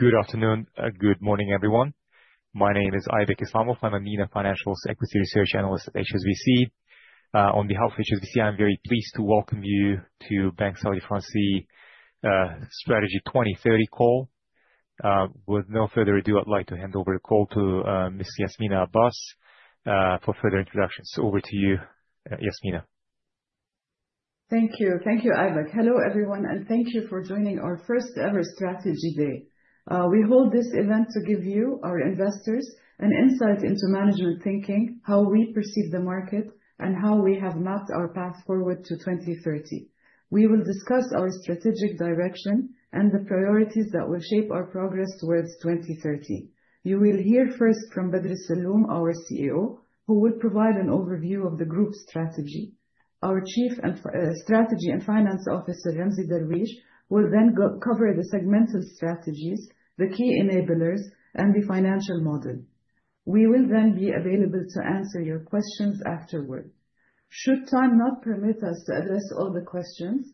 Good afternoon. Good morning, everyone. My name is Ibak Isamov. I'm a Senior Financials Equity Research Analyst at HSBC. On behalf of HSBC, I'm very pleased to welcome you to Banque Saudi Fransi Strategy 2030 call. With no further ado, I'd like to hand over the call to Ms. Yasminah Abbas for further introductions. Over to you, Yasmina. Thank you. Thank you, Ibak. Hello, everyone, and thank you for joining our first-ever strategy day. We hold this event to give you, our investors, an insight into management thinking, how we perceive the market, and how we have mapped our path forward to 2030. We will discuss our strategic direction and the priorities that will shape our progress towards 2030. You will hear first from Bader Alsalloom, our CEO, who will provide an overview of the group's strategy. Our Chief Strategy and Finance Officer, Ramzy Darwish, will then cover the segmented strategies, the key enablers, and the financial model. We will then be available to answer your questions afterward. Should time not permit us to address all the questions,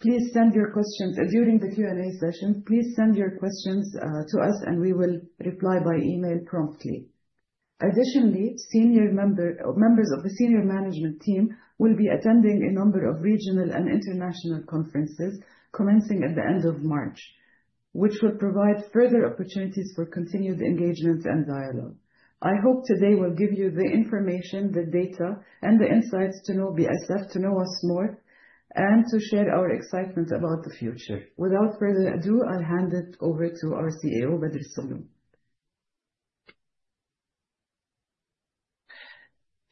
please send your questions during the Q&A session. Please send your questions to us and we will reply by email promptly. Additionally, members of the senior management team will be attending a number of regional and international conferences commencing at the end of March, which will provide further opportunities for continued engagement and dialogue. I hope today will give you the information, the data, and the insights to know BSF, to know us more, and to share our excitement about the future. Without further ado, I'll hand it over to our CEO, Bader Alsalloom.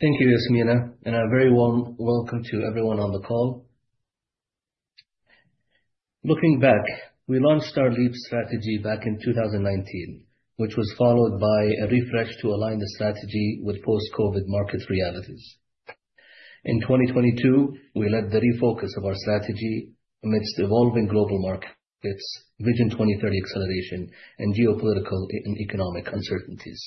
Thank you, Yasmina. A very warm welcome to everyone on the call. Looking back, we launched our LEAP strategy back in 2019, which was followed by a refresh to align the strategy with post-COVID market realities. In 2022, we led the refocus of our strategy amidst evolving global markets, Vision 2030 acceleration, and geopolitical and economic uncertainties.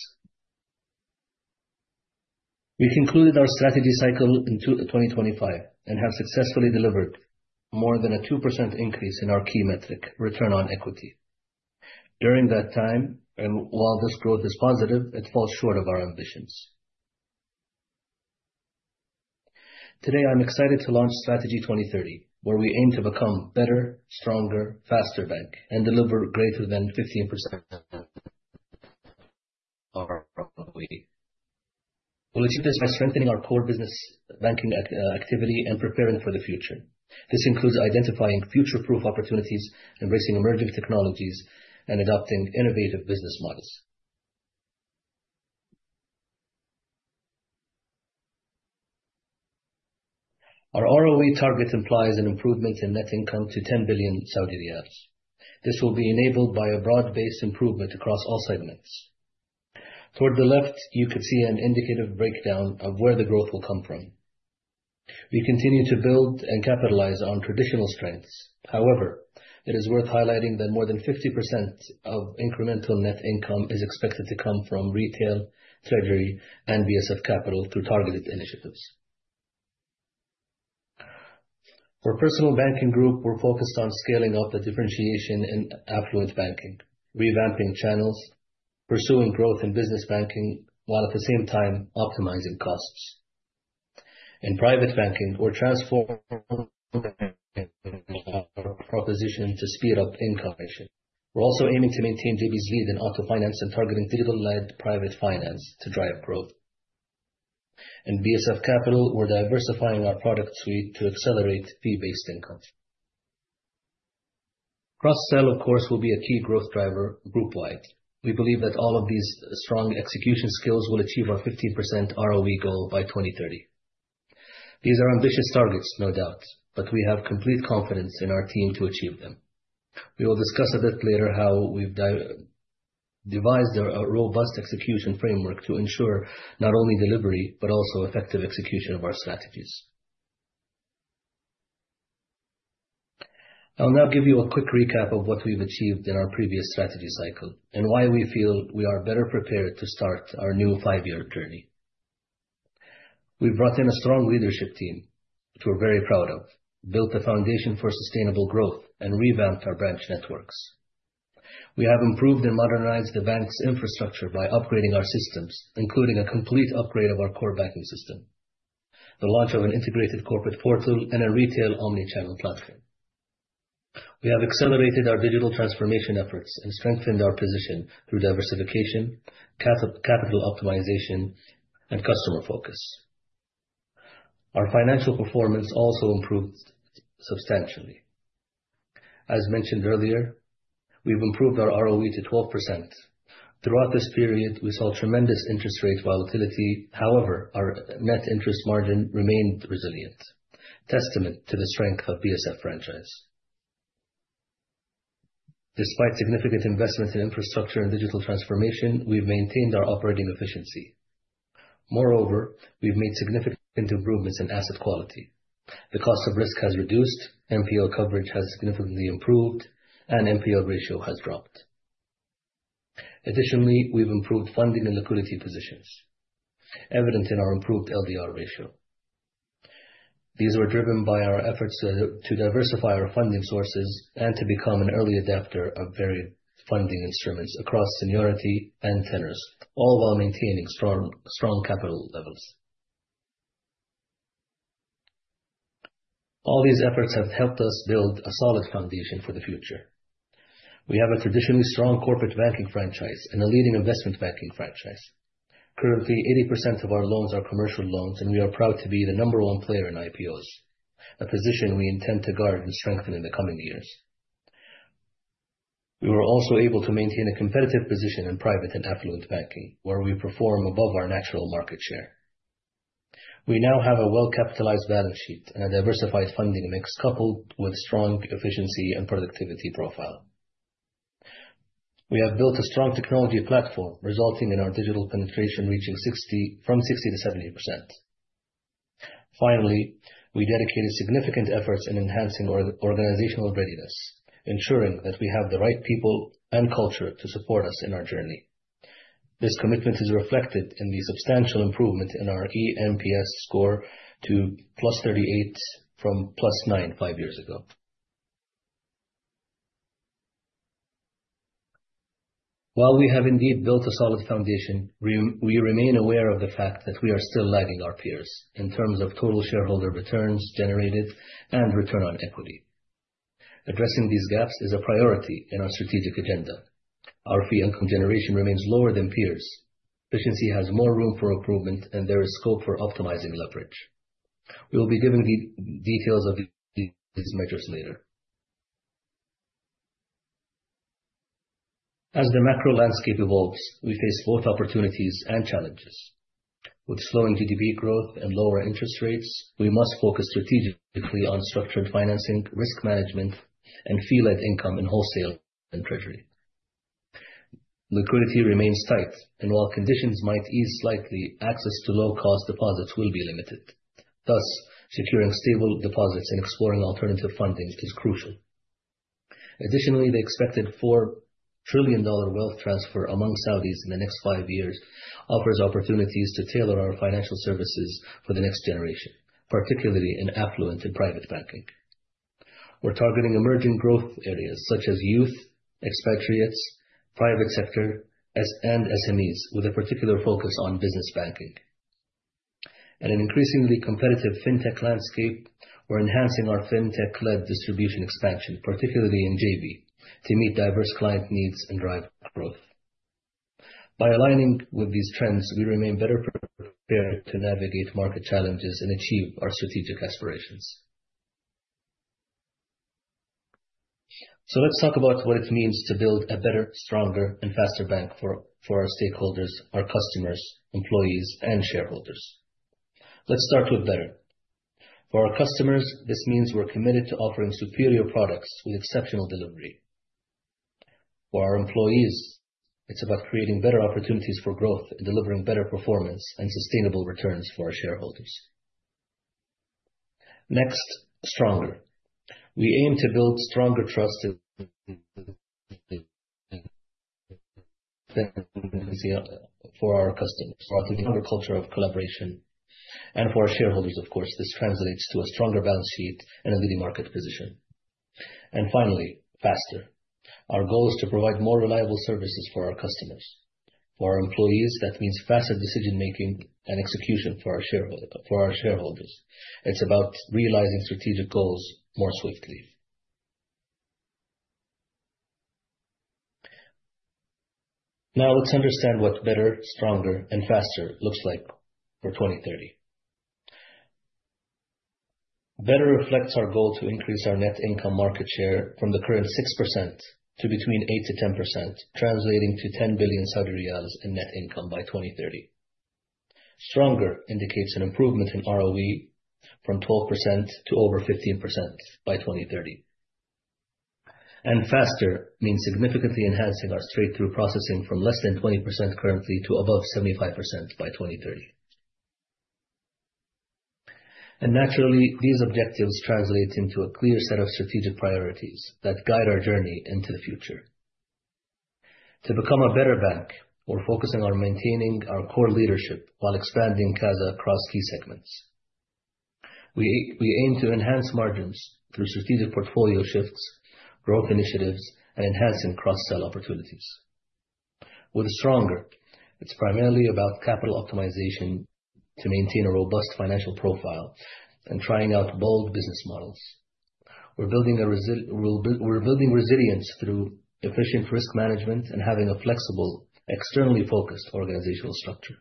We concluded our strategy cycle in 2025 and have successfully delivered more than a 2% increase in our key metric, return on equity. During that time, and while this growth is positive, it falls short of our ambitions. Today, I'm excited to launch Strategy 2030, where we aim to become Better, Stronger, Faster bank and deliver greater than 15% ROE. We'll achieve this by strengthening our core business banking activity and preparing for the future. This includes identifying future-proof opportunities, embracing emerging technologies, and adopting innovative business models. Our ROE target implies an improvement in net income to 10 billion Saudi riyals. This will be enabled by a broad-based improvement across all segments. Toward the left, you could see an indicative breakdown of where the growth will come from. We continue to build and capitalize on traditional strengths. However, it is worth highlighting that more than 50% of incremental net income is expected to come from retail, treasury, and BSF Capital through targeted initiatives. For personal banking group, we're focused on scaling up the differentiation in affluent banking, revamping channels, pursuing growth in business banking, while at the same time optimizing costs. In private banking, we're transforming our proposition to speed up income collection. We're also aiming to maintain J-B in auto finance and targeting digital-led personal finance to drive growth. In BSF Capital, we're diversifying our product suite to accelerate fee-based income. Cross-sell, of course, will be a key growth driver groupwide. We believe that all of these strong execution skills will achieve our 15% ROE goal by 2030. These are ambitious targets, no doubt, but we have complete confidence in our team to achieve them. We will discuss a bit later how we've devised a robust execution framework to ensure not only delivery, but also effective execution of our strategies. I'll now give you a quick recap of what we've achieved in our previous strategy cycle and why we feel we are better prepared to start our new five-year journey. We've brought in a strong leadership team, which we're very proud of, built a foundation for sustainable growth, and revamped our branch networks. We have improved and modernized the bank's infrastructure by upgrading our systems, including a complete upgrade of our core banking system, the launch of an integrated corporate portal, and a retail omni-channel platform. We have accelerated our digital transformation efforts and strengthened our position through diversification, capital optimization, and customer focus. Our financial performance also improved substantially. As mentioned earlier, we've improved our ROE to 12%. Throughout this period, we saw tremendous interest rate volatility. Our net interest margin remained resilient, testament to the strength of BSF franchise. Despite significant investment in infrastructure and digital transformation, we've maintained our operating efficiency. We've made significant improvements in asset quality. The cost of risk has reduced, NPL coverage has significantly improved, and NPL ratio has dropped. We've improved funding and liquidity positions, evident in our improved LDR ratio. These were driven by our efforts to diversify our funding sources and to become an early adapter of varied funding instruments across seniority and tenors, all while maintaining strong capital levels. All these efforts have helped us build a solid foundation for the future. We have a traditionally strong corporate banking franchise and a leading investment banking franchise. Currently, 80% of our loans are commercial loans, and we are proud to be the number one player in IPOs, a position we intend to guard and strengthen in the coming years. We were also able to maintain a competitive position in private and affluent banking, where we perform above our natural market share. We now have a well-capitalized balance sheet and a diversified funding mix, coupled with strong efficiency and productivity profile. We have built a strong technology platform, resulting in our digital penetration reaching from 60%-70%. Finally, we dedicated significant efforts in enhancing our organizational readiness, ensuring that we have the right people and culture to support us in our journey. This commitment is reflected in the substantial improvement in our eNPS score to +38 from +9 five years ago. While we have indeed built a solid foundation, we remain aware of the fact that we are still lagging our peers in terms of total shareholder returns generated and return on equity. Addressing these gaps is a priority in our strategic agenda. Our fee income generation remains lower than peers. Efficiency has more room for improvement and there is scope for optimizing leverage. We will be giving the details of these measures later. As the macro landscape evolves, we face both opportunities and challenges. With slowing GDP growth and lower interest rates, we must focus strategically on structured financing, risk management, and fee-led income in wholesale and treasury. Liquidity remains tight, and while conditions might ease slightly, access to low-cost deposits will be limited. Thus, securing stable deposits and exploring alternative fundings is crucial. Additionally, the expected SAR 4 trillion wealth transfer among Saudis in the next five years offers opportunities to tailor our financial services for the next generation, particularly in affluent and private banking. We're targeting emerging growth areas such as youth, expatriates, private sector, and SMEs, with a particular focus on business banking. In an increasingly competitive fintech landscape, we're enhancing our fintech-led distribution expansion, particularly in JB, to meet diverse client needs and drive growth. By aligning with these trends, we remain better prepared to navigate market challenges and achieve our strategic aspirations. Let's talk about what it means to build a better, stronger, and faster bank for our stakeholders, our customers, employees, and shareholders. Let's start with better. For our customers, this means we're committed to offering superior products with exceptional delivery. For our employees, it's about creating better opportunities for growth and delivering better performance and sustainable returns for our shareholders. Next, stronger. We aim to build stronger trust for our customers, a stronger culture of collaboration, and for our shareholders, of course, this translates to a stronger balance sheet and a leading market position. Finally, faster. Our goal is to provide more reliable services for our customers. For our employees, that means faster decision-making and execution. For our shareholders, it's about realizing strategic goals more swiftly. Now let's understand what better, stronger, and faster looks like for 2030. Better reflects our goal to increase our net income market share from the current 6% to between 8%-10%, translating to 10 billion Saudi riyals in net income by 2030. Stronger indicates an improvement in ROE from 12% to over 15% by 2030. Faster means significantly enhancing our straight-through processing from less than 20% currently to above 75% by 2030. Naturally, these objectives translate into a clear set of strategic priorities that guide our journey into the future. To become a better bank, we're focusing on maintaining our core leadership while expanding CASA across key segments. We aim to enhance margins through strategic portfolio shifts, growth initiatives, and enhancing cross-sell opportunities. With stronger, it's primarily about capital optimization to maintain a robust financial profile and trying out bold business models. We're building resilience through efficient risk management and having a flexible, externally focused organizational structure.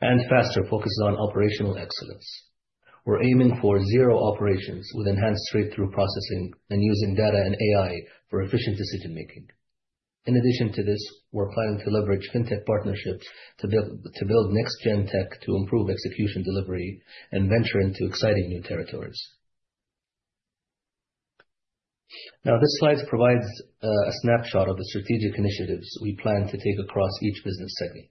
Faster focuses on operational excellence. We are aiming for zero operations with enhanced straight-through processing and using data and AI for efficient decision making. In addition to this, we are planning to leverage fintech partnerships to build next-gen tech to improve execution delivery and venture into exciting new territories. This slide provides a snapshot of the strategic initiatives we plan to take across each business segment.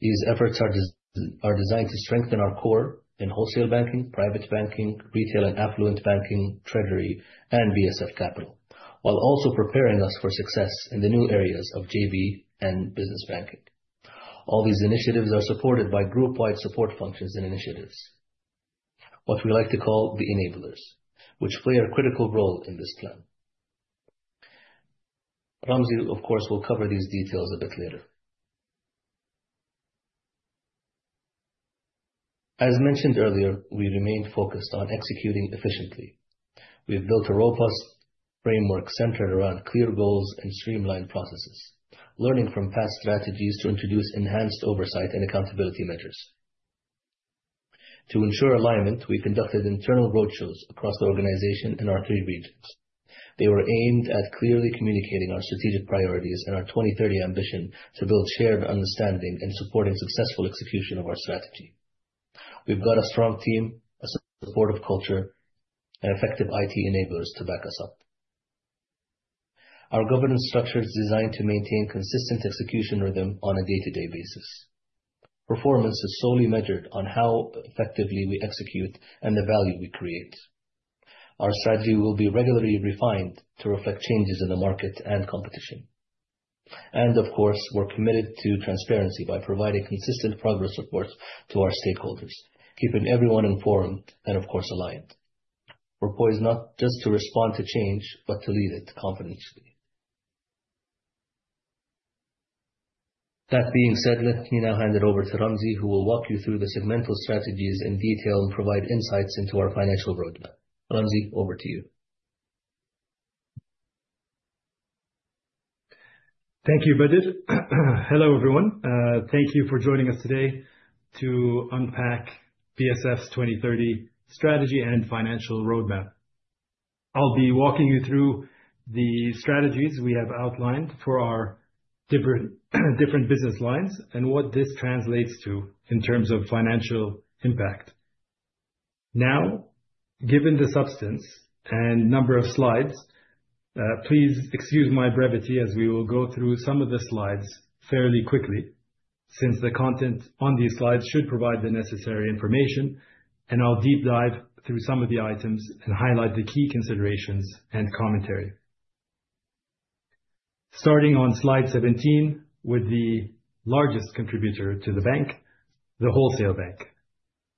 These efforts are designed to strengthen our core in wholesale banking, private banking, retail and affluent banking, treasury, and BSF Capital, while also preparing us for success in the new areas of JB and business banking. All these initiatives are supported by group-wide support functions and initiatives. What we like to call the enablers, which play a critical role in this plan. Ramzy, of course, will cover these details a bit later. As mentioned earlier, we remain focused on executing efficiently. We have built a robust framework centered around clear goals and streamlined processes, learning from past strategies to introduce enhanced oversight and accountability measures. To ensure alignment, we conducted internal roadshows across the organization in our three regions. They were aimed at clearly communicating our strategic priorities and our 2030 ambition to build shared understanding in supporting successful execution of our strategy. We have got a strong team, a supportive culture, and effective IT enablers to back us up. Our governance structure is designed to maintain consistent execution rhythm on a day-to-day basis. Performance is solely measured on how effectively we execute and the value we create. Our strategy will be regularly refined to reflect changes in the market and competition. Of course, we are committed to transparency by providing consistent progress reports to our stakeholders, keeping everyone informed and of course, aligned. We are poised not just to respond to change, but to lead it confidently. That being said, let me now hand it over to Ramzy, who will walk you through the segmental strategies in detail and provide insights into our financial roadmap. Ramzy, over to you. Thank you, Budit. Hello, everyone. Thank you for joining us today to unpack BSF's Strategy 2030 and financial roadmap. I will be walking you through the strategies we have outlined for our different business lines and what this translates to in terms of financial impact. Given the substance and number of slides, please excuse my brevity as we will go through some of the slides fairly quickly, since the content on these slides should provide the necessary information, and I will deep dive through some of the items and highlight the key considerations and commentary. Starting on slide 17 with the largest contributor to the bank, the Wholesale Bank,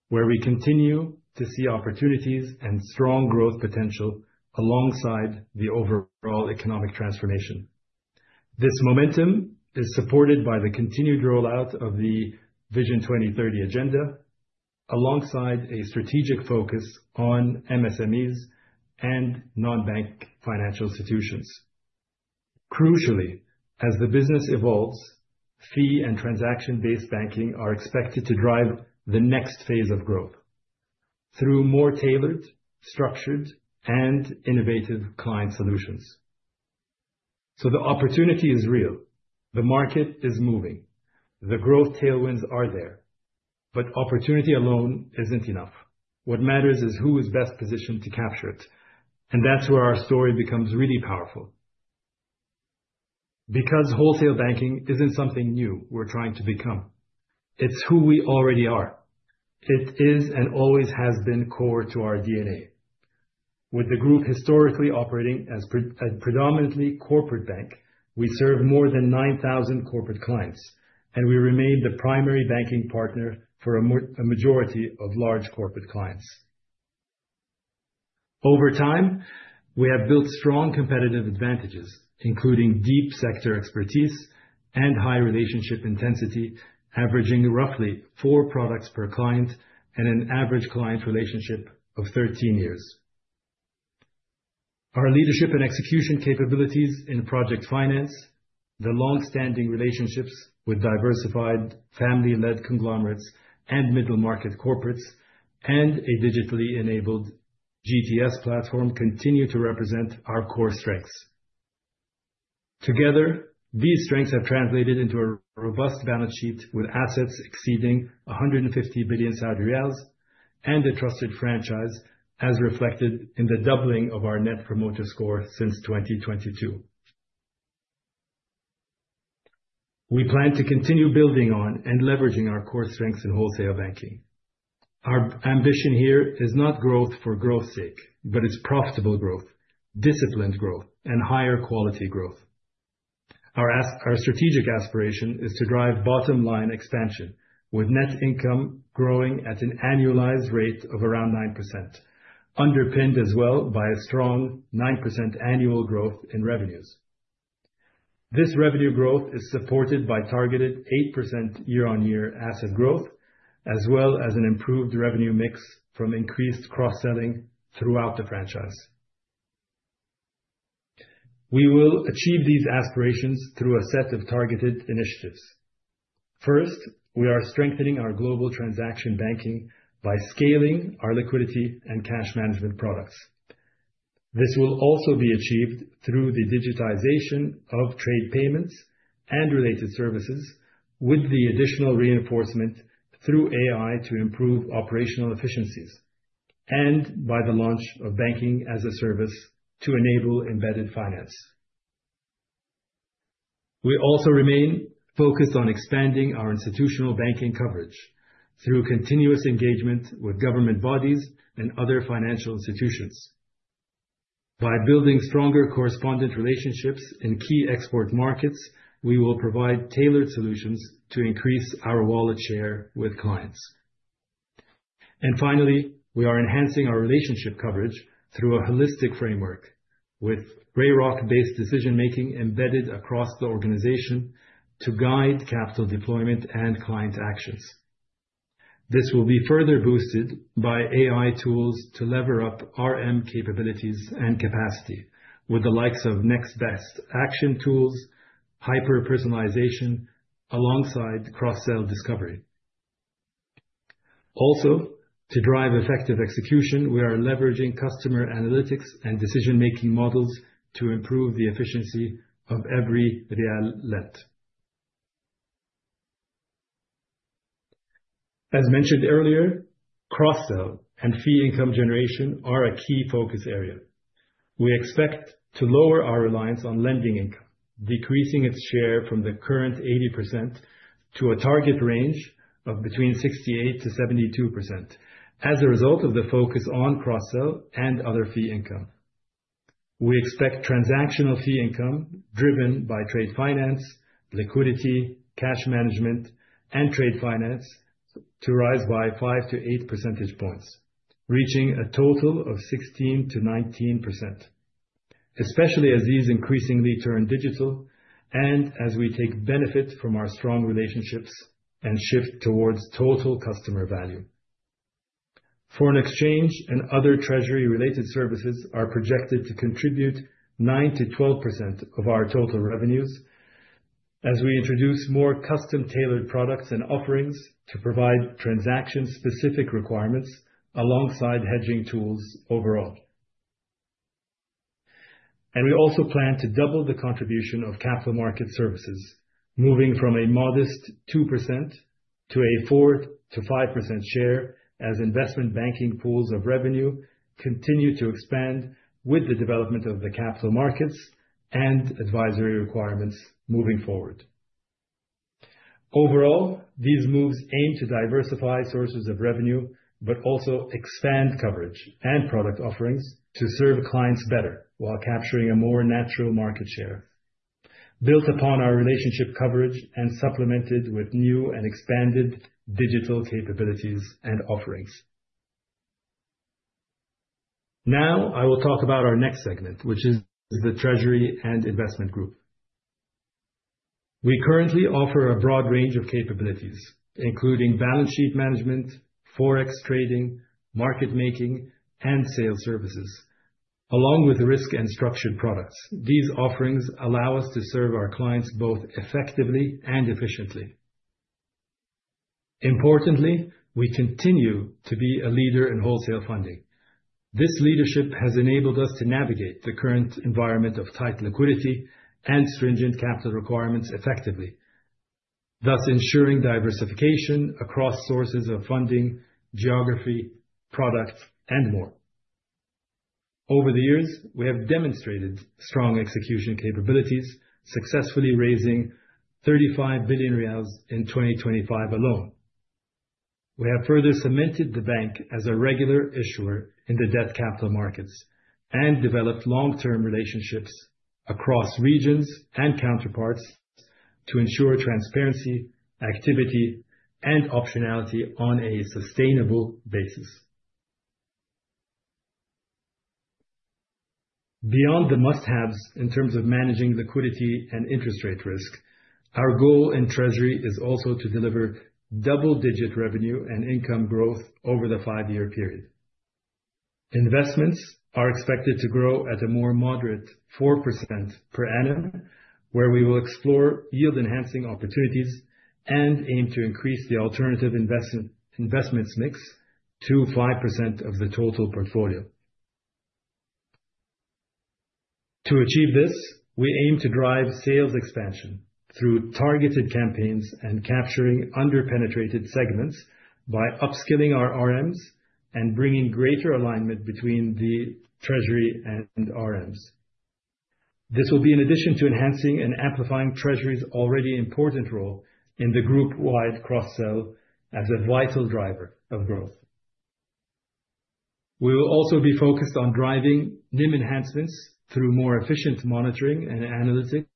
where we continue to see opportunities and strong growth potential alongside the overall economic transformation. This momentum is supported by the continued rollout of the Vision 2030 agenda, alongside a strategic focus on MSMEs and non-bank financial institutions. Crucially, as the business evolves, fee and transaction-based banking are expected to drive the next phase of growth through more tailored, structured and innovative client solutions. The opportunity is real. The market is moving. The growth tailwinds are there. Opportunity alone isn't enough. What matters is who is best positioned to capture it, and that's where our story becomes really powerful. Wholesale banking isn't something new we're trying to become. It's who we already are. It is and always has been core to our DNA. With the group historically operating as predominantly corporate bank, we serve more than 9,000 corporate clients, and we remain the primary banking partner for a majority of large corporate clients. Over time, we have built strong competitive advantages, including deep sector expertise and high relationship intensity, averaging roughly 4 products per client and an average client relationship of 13 years. Our leadership and execution capabilities in project finance, the long-standing relationships with diversified family-led conglomerates and middle market corporates, and a digitally enabled GTS platform continue to represent our core strengths. Together, these strengths have translated into a robust balance sheet with assets exceeding 150 billion Saudi riyals and a trusted franchise, as reflected in the doubling of our NPS since 2022. We plan to continue building on and leveraging our core strengths in wholesale banking. Our ambition here is not growth for growth's sake, but it's profitable growth, disciplined growth, and higher quality growth. Our strategic aspiration is to drive bottom-line expansion, with net income growing at an annualized rate of around 9%, underpinned as well by a strong 9% annual growth in revenues. This revenue growth is supported by targeted 8% year-on-year asset growth, as well as an improved revenue mix from increased cross-selling throughout the franchise. We will achieve these aspirations through a set of targeted initiatives. First, we are strengthening our global transaction banking by scaling our liquidity and cash management products. This will also be achieved through the digitization of trade payments and related services with the additional reinforcement through AI to improve operational efficiencies, and by the launch of banking as a service to enable embedded finance. We also remain focused on expanding our institutional banking coverage through continuous engagement with government bodies and other financial institutions. By building stronger correspondent relationships in key export markets, we will provide tailored solutions to increase our wallet share with clients. Finally, we are enhancing our relationship coverage through a holistic framework with BlackRock-based decision making embedded across the organization to guide capital deployment and client actions. This will be further boosted by AI tools to lever up RM capabilities and capacity with the likes of next best action tools, hyper-personalization alongside cross-sell discovery. Also, to drive effective execution, we are leveraging customer analytics and decision-making models to improve the efficiency of every SAR lent. As mentioned earlier, cross-sell and fee income generation are a key focus area. We expect to lower our reliance on lending income, decreasing its share from the current 80% to a target range of between 68%-72% as a result of the focus on cross-sell and other fee income. We expect transactional fee income driven by trade finance, liquidity, cash management, and trade finance to rise by 5 to 8 percentage points, reaching a total of 16%-19%, especially as these increasingly turn digital and as we take benefit from our strong relationships and shift towards total customer value. Foreign exchange and other treasury-related services are projected to contribute 9%-12% of our total revenues as we introduce more custom-tailored products and offerings to provide transaction-specific requirements alongside hedging tools overall. We also plan to double the contribution of capital market services, moving from a modest 2% to a 4%-5% share as investment banking pools of revenue continue to expand with the development of the capital markets and advisory requirements moving forward. Overall, these moves aim to diversify sources of revenue, but also expand coverage and product offerings to serve clients better while capturing a more natural market share, built upon our relationship coverage and supplemented with new and expanded digital capabilities and offerings. Now, I will talk about our next segment, which is the treasury and investment group. We currently offer a broad range of capabilities, including balance sheet management, forex trading, market making, and sale services. Along with risk and structured products, these offerings allow us to serve our clients both effectively and efficiently. Importantly, we continue to be a leader in wholesale funding. This leadership has enabled us to navigate the current environment of tight liquidity and stringent capital requirements effectively, thus ensuring diversification across sources of funding, geography, product, and more. Over the years, we have demonstrated strong execution capabilities, successfully raising 35 billion riyals in 2025 alone. We have further cemented the bank as a regular issuer in the debt capital markets and developed long-term relationships across regions and counterparts to ensure transparency, activity, and optionality on a sustainable basis. Beyond the must-haves in terms of managing liquidity and interest rate risk, our goal in treasury is also to deliver double-digit revenue and income growth over the five-year period. Investments are expected to grow at a more moderate 4% per annum, where we will explore yield-enhancing opportunities and aim to increase the alternative investments mix to 5% of the total portfolio. To achieve this, we aim to drive sales expansion through targeted campaigns and capturing under-penetrated segments by upskilling our RMs and bringing greater alignment between the treasury and RMs. This will be in addition to enhancing and amplifying treasury's already important role in the group-wide cross-sell as a vital driver of growth. We will also be focused on driving NIM enhancements through more efficient monitoring and analytics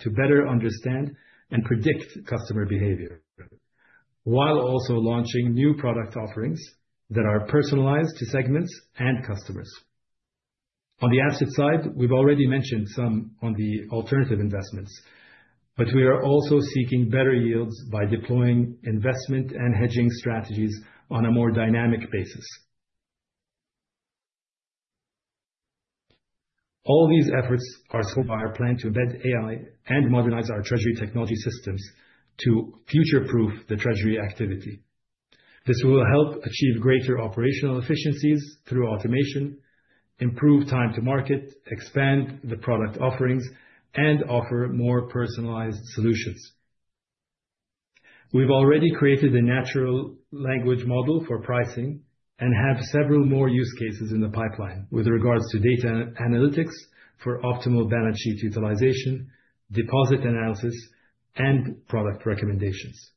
to better understand and predict customer behavior, while also launching new product offerings that are personalized to segments and customers. On the asset side, we've already mentioned some on the alternative investments, but we are also seeking better yields by deploying investment and hedging strategies on a more dynamic basis. All these efforts are helped by our plan to embed AI and modernize our treasury technology systems to future-proof the treasury activity. This will help achieve greater operational efficiencies through automation, improve time to market, expand the product offerings, and offer more personalized solutions. We've already created a natural language model for pricing and have several more use cases in the pipeline with regards to data analytics for optimal balance sheet utilization, deposit analysis, and product recommendations.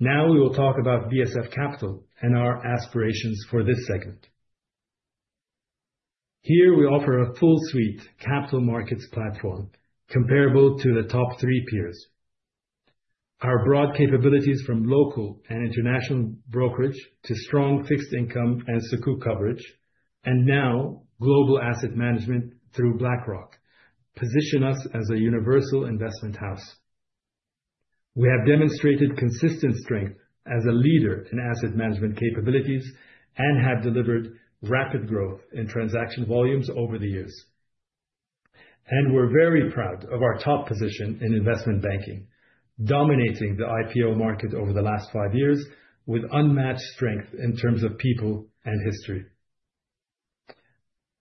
Now we will talk about BSF Capital and our aspirations for this segment. Here we offer a full suite capital markets platform comparable to the top three peers. Our broad capabilities from local and international brokerage to strong fixed income and Sukuk coverage, now global asset management through BlackRock, position us as a universal investment house. We have demonstrated consistent strength as a leader in asset management capabilities and have delivered rapid growth in transaction volumes over the years. We are very proud of our top position in Investment Banking, dominating the IPO market over the last five years with unmatched strength in terms of people and history.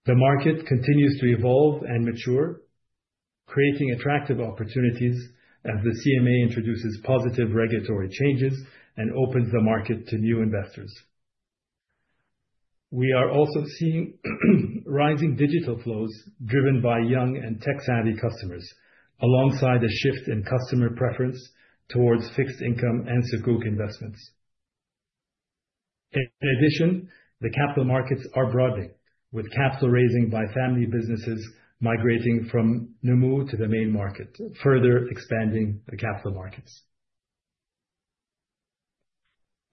The market continues to evolve and mature, creating attractive opportunities as the CMA introduces positive regulatory changes and opens the market to new investors. We are also seeing rising digital flows driven by young and tech-savvy customers, alongside a shift in customer preference towards fixed income and Sukuk investments. In addition, the capital markets are broadening with capital raising by family businesses migrating from Nomu to the main market, further expanding the capital markets.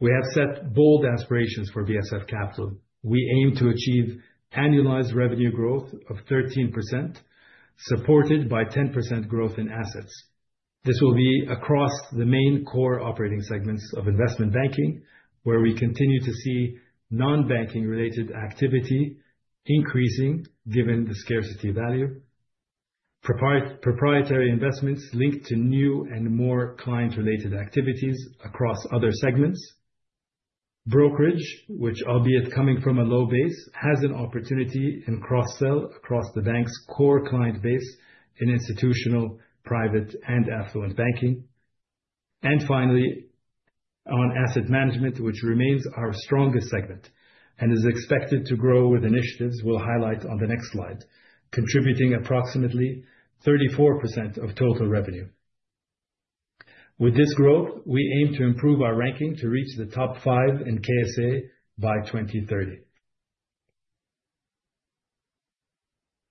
We have set bold aspirations for BSF Capital. We aim to achieve annualized revenue growth of 13%, supported by 10% growth in assets. This will be across the main core operating segments of Investment Banking, where we continue to see non-banking related activity increasing given the scarcity value, proprietary investments linked to new and more client-related activities across other segments, brokerage, which albeit coming from a low base, has an opportunity in cross-sell across the bank's core client base in institutional, private, and affluent banking. Finally, on asset management, which remains our strongest segment and is expected to grow with initiatives we will highlight on the next slide, contributing approximately 34% of total revenue. With this growth, we aim to improve our ranking to reach the top five in KSA by 2030.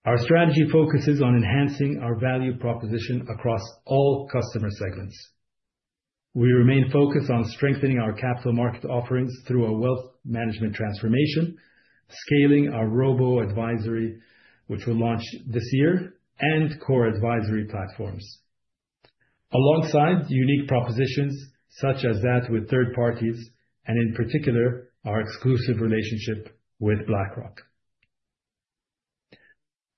Our strategy focuses on enhancing our value proposition across all customer segments. We remain focused on strengthening our capital market offerings through a wealth management transformation, scaling our robo-advisory, which will launch this year, and core advisory platforms. Alongside unique propositions such as that with third parties, and in particular, our exclusive relationship with BlackRock.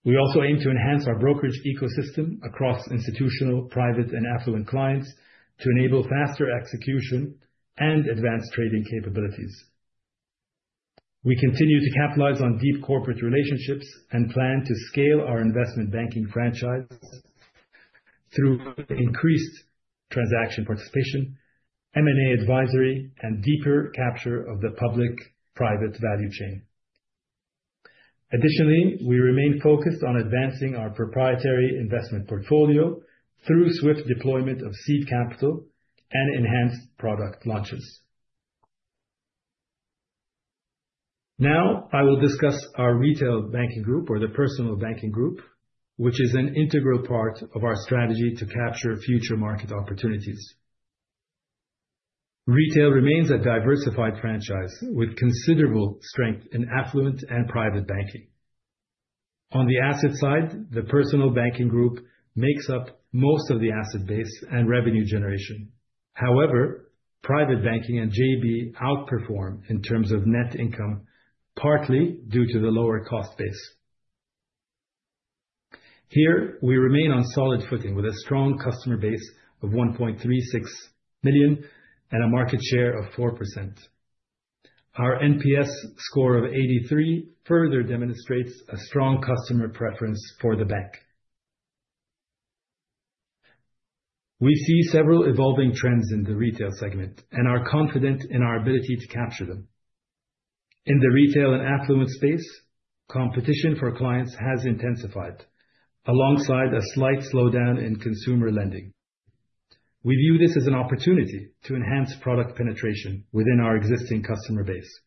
We also aim to enhance our brokerage ecosystem across institutional, private, and affluent clients to enable faster execution and advanced trading capabilities. We continue to capitalize on deep corporate relationships and plan to scale our Investment Banking franchise through increased transaction participation, M&A advisory, and deeper capture of the public-private value chain. Additionally, we remain focused on advancing our proprietary investment portfolio through swift deployment of seed capital and enhanced product launches. Now, I will discuss our Retail Banking Group or the Personal Banking Group, which is an integral part of our strategy to capture future market opportunities. Retail remains a diversified franchise with considerable strength in affluent and private banking. On the asset side, the Personal Banking Group makes up most of the asset base and revenue generation. However, private banking and JB outperform in terms of net income, partly due to the lower cost base. Here we remain on solid footing with a strong customer base of 1.36 million and a market share of 4%. Our NPS score of 83 further demonstrates a strong customer preference for the bank. We see several evolving trends in the retail segment and are confident in our ability to capture them. In the retail and affluent space, competition for clients has intensified alongside a slight slowdown in consumer lending. We view this as an opportunity to enhance product penetration within our existing customer base.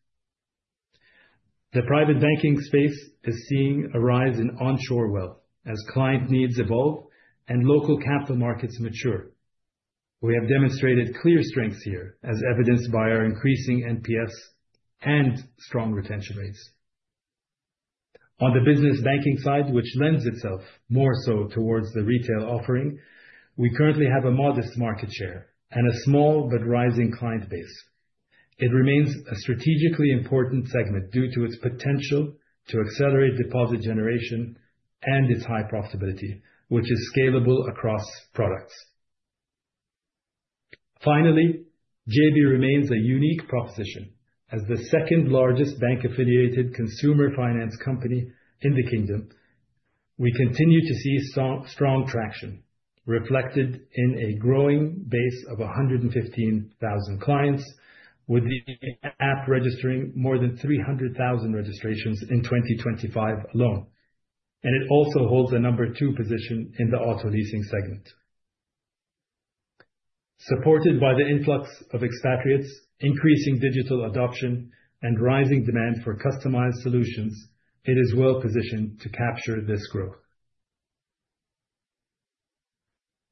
The private banking space is seeing a rise in onshore wealth as client needs evolve and local capital markets mature. We have demonstrated clear strengths here as evidenced by our increasing NPS and strong retention rates. On the business banking side, which lends itself more so towards the retail offering, we currently have a modest market share and a small but rising client base. It remains a strategically important segment due to its potential to accelerate deposit generation and its high profitability, which is scalable across products. Finally, JB remains a unique proposition as the second largest bank-affiliated consumer finance company in the kingdom. We continue to see strong traction reflected in a growing base of 115,000 clients, with the app registering more than 300,000 registrations in 2025 alone. It also holds the number two position in the auto leasing segment. Supported by the influx of expatriates, increasing digital adoption, and rising demand for customized solutions, it is well-positioned to capture this growth.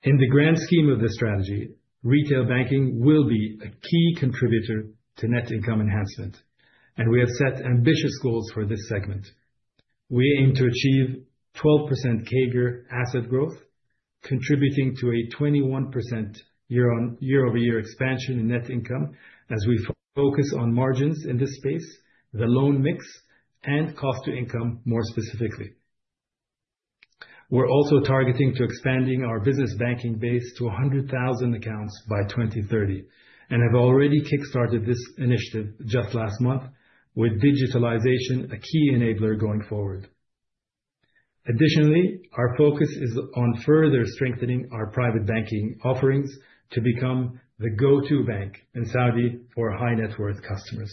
In the grand scheme of this strategy, retail banking will be a key contributor to net income enhancement, and we have set ambitious goals for this segment. We aim to achieve 12% CAGR asset growth, contributing to a 21% year-over-year expansion in net income as we focus on margins in this space, the loan mix, and cost to income, more specifically. We are also targeting to expanding our business banking base to 100,000 accounts by 2030 and have already kickstarted this initiative just last month, with digitalization a key enabler going forward. Additionally, our focus is on further strengthening our private banking offerings to become the go-to bank in Saudi for high net worth customers.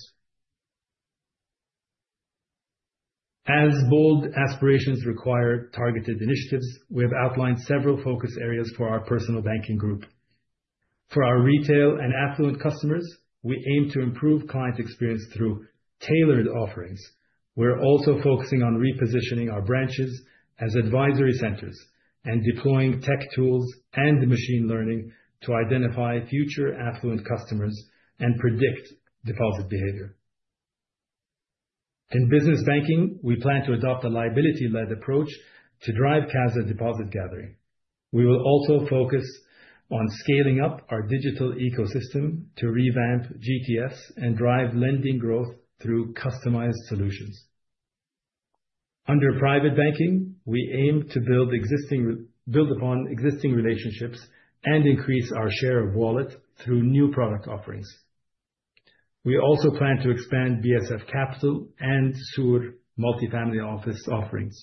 As bold aspirations require targeted initiatives, we have outlined several focus areas for our personal banking group. For our retail and affluent customers, we aim to improve client experience through tailored offerings. We are also focusing on repositioning our branches as advisory centers and deploying tech tools and machine learning to identify future affluent customers and predict deposit behavior. In business banking, we plan to adopt a liability-led approach to drive CASA deposit gathering. We will also focus on scaling up our digital ecosystem to revamp GTS and drive lending growth through customized solutions. Under private banking, we aim to build upon existing relationships and increase our share of wallet through new product offerings. We also plan to expand BSF Capital and Soor multi-family office offerings,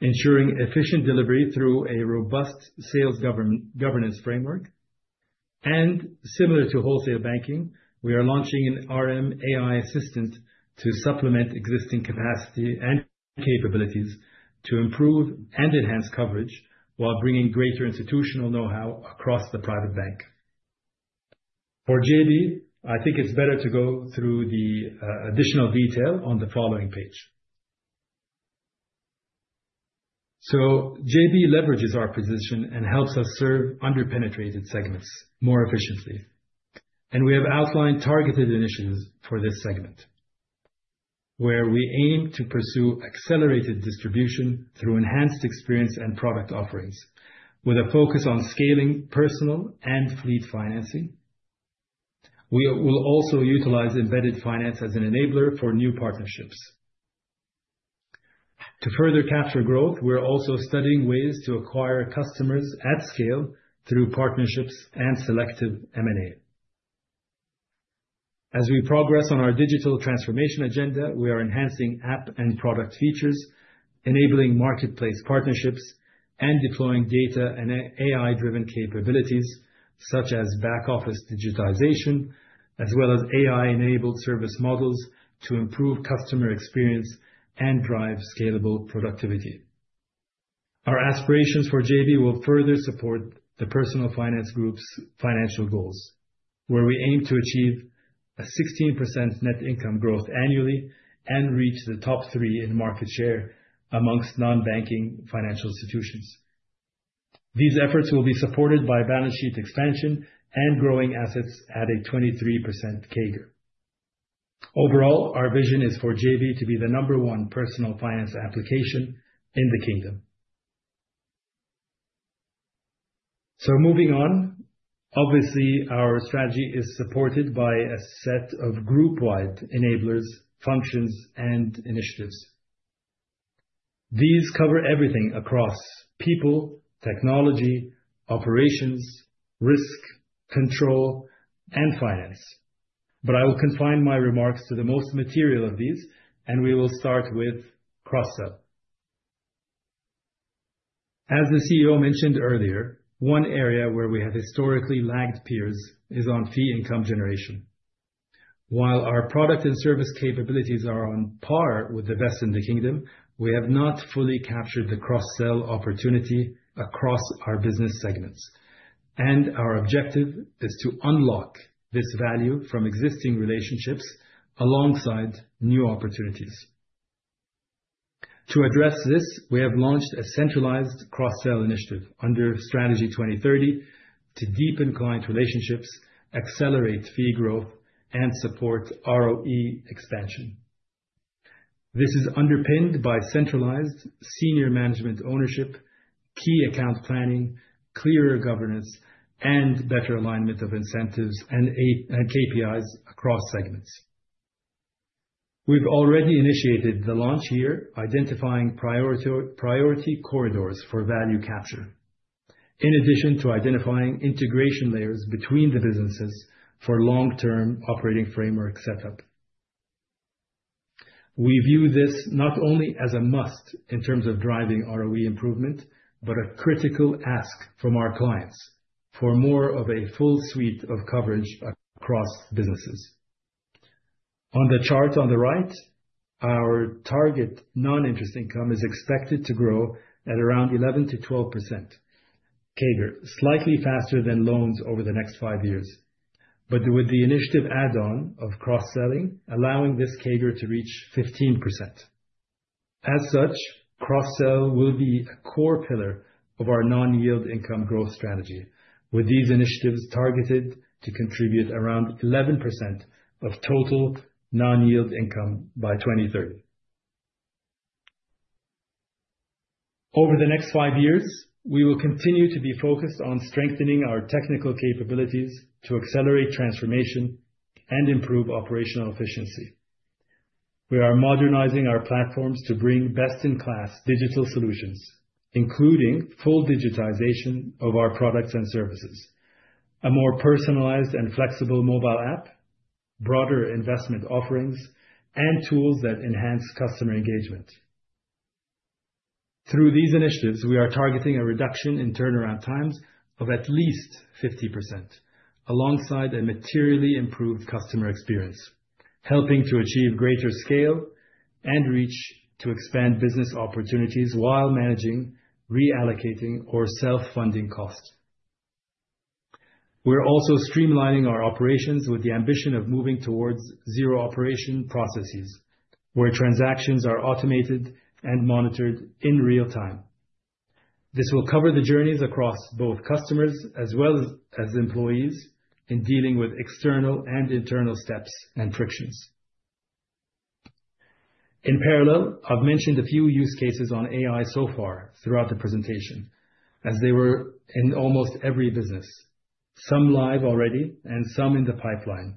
ensuring efficient delivery through a robust sales governance framework. Similar to wholesale banking, we are launching an RM AI assistant to supplement existing capacity and capabilities to improve and enhance coverage while bringing greater institutional know-how across the private bank. For JB, I think it is better to go through the additional detail on the following page. JB leverages our position and helps us serve under-penetrated segments more efficiently. We have outlined targeted initiatives for this segment, where we aim to pursue accelerated distribution through enhanced experience and product offerings with a focus on scaling personal and fleet financing. We will also utilize embedded finance as an enabler for new partnerships. To further capture growth, we are also studying ways to acquire customers at scale through partnerships and selective M&A. As we progress on our digital transformation agenda, we are enhancing app and product features, enabling marketplace partnerships, and deploying data and AI-driven capabilities, such as back-office digitization, as well as AI-enabled service models to improve customer experience and drive scalable productivity. Our aspirations for JB will further support the personal finance group's financial goals, where we aim to achieve a 16% net income growth annually and reach the top 3 in market share amongst non-banking financial institutions. These efforts will be supported by balance sheet expansion and growing assets at a 23% CAGR. Overall, our vision is for JB to be the number 1 personal finance application in the kingdom. Moving on. Obviously, our strategy is supported by a set of group-wide enablers, functions, and initiatives. These cover everything across people, technology, operations, risk, control, and finance. I will confine my remarks to the most material of these. We will start with cross-sell. As the CEO mentioned earlier, one area where we have historically lagged peers is on fee income generation. While our product and service capabilities are on par with the best in the kingdom, we have not fully captured the cross-sell opportunity across our business segments. Our objective is to unlock this value from existing relationships alongside new opportunities. To address this, we have launched a centralized cross-sell initiative under Strategy 2030 to deepen client relationships, accelerate fee growth, and support ROE expansion. This is underpinned by centralized senior management ownership, key account planning, clearer governance, and better alignment of incentives and KPIs across segments. We've already initiated the launch here, identifying priority corridors for value capture, in addition to identifying integration layers between the businesses for long-term operating framework setup. We view this not only as a must in terms of driving ROE improvement, a critical ask from our clients for more of a full suite of coverage across businesses. On the chart on the right, our target non-interest income is expected to grow at around 11%-12% CAGR, slightly faster than loans over the next five years. With the initiative add-on of cross-selling, allowing this CAGR to reach 15%. As such, cross-sell will be a core pillar of our non-yield income growth strategy, with these initiatives targeted to contribute around 11% of total non-yield income by 2030. Over the next five years, we will continue to be focused on strengthening our technical capabilities to accelerate transformation and improve operational efficiency. We are modernizing our platforms to bring best-in-class digital solutions, including full digitization of our products and services, a more personalized and flexible mobile app, broader investment offerings, and tools that enhance customer engagement. Through these initiatives, we are targeting a reduction in turnaround times of at least 50%, alongside a materially improved customer experience, helping to achieve greater scale and reach to expand business opportunities while managing, reallocating, or self-funding costs. We're also streamlining our operations with the ambition of moving towards zero operation processes, where transactions are automated and monitored in real time. This will cover the journeys across both customers as well as employees in dealing with external and internal steps and frictions. In parallel, I've mentioned a few use cases on AI so far throughout the presentation, as they were in almost every business, some live already and some in the pipeline.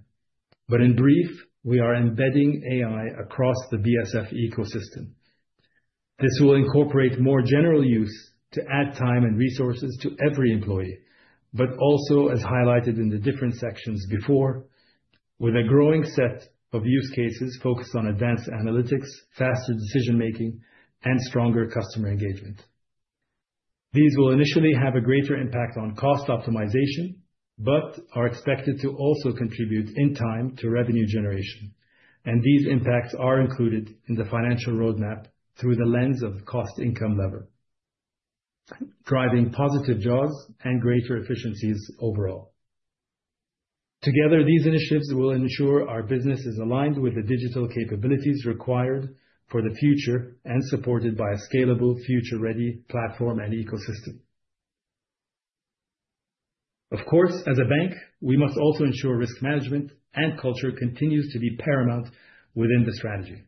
In brief, we are embedding AI across the BSF ecosystem. This will incorporate more general use to add time and resources to every employee, but also as highlighted in the different sections before, with a growing set of use cases focused on advanced analytics, faster decision-making, and stronger customer engagement. These will initially have a greater impact on cost optimization, but are expected to also contribute in time to revenue generation, and these impacts are included in the financial roadmap through the lens of cost-income lever, driving positive jaws and greater efficiencies overall. Together, these initiatives will ensure our business is aligned with the digital capabilities required for the future and supported by a scalable future-ready platform and ecosystem. Of course, as a bank, we must also ensure risk management and culture continues to be paramount within the strategy.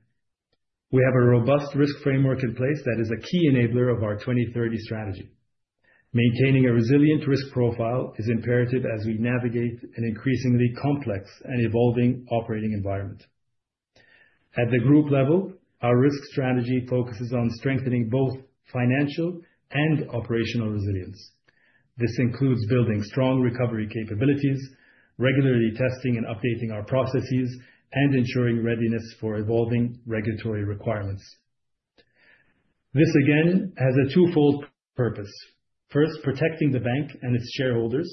We have a robust risk framework in place that is a key enabler of our Strategy 2030. Maintaining a resilient risk profile is imperative as we navigate an increasingly complex and evolving operating environment. At the group level, our risk strategy focuses on strengthening both financial and operational resilience. This includes building strong recovery capabilities, regularly testing and updating our processes, and ensuring readiness for evolving regulatory requirements. This again has a twofold purpose. First, protecting the bank and its shareholders,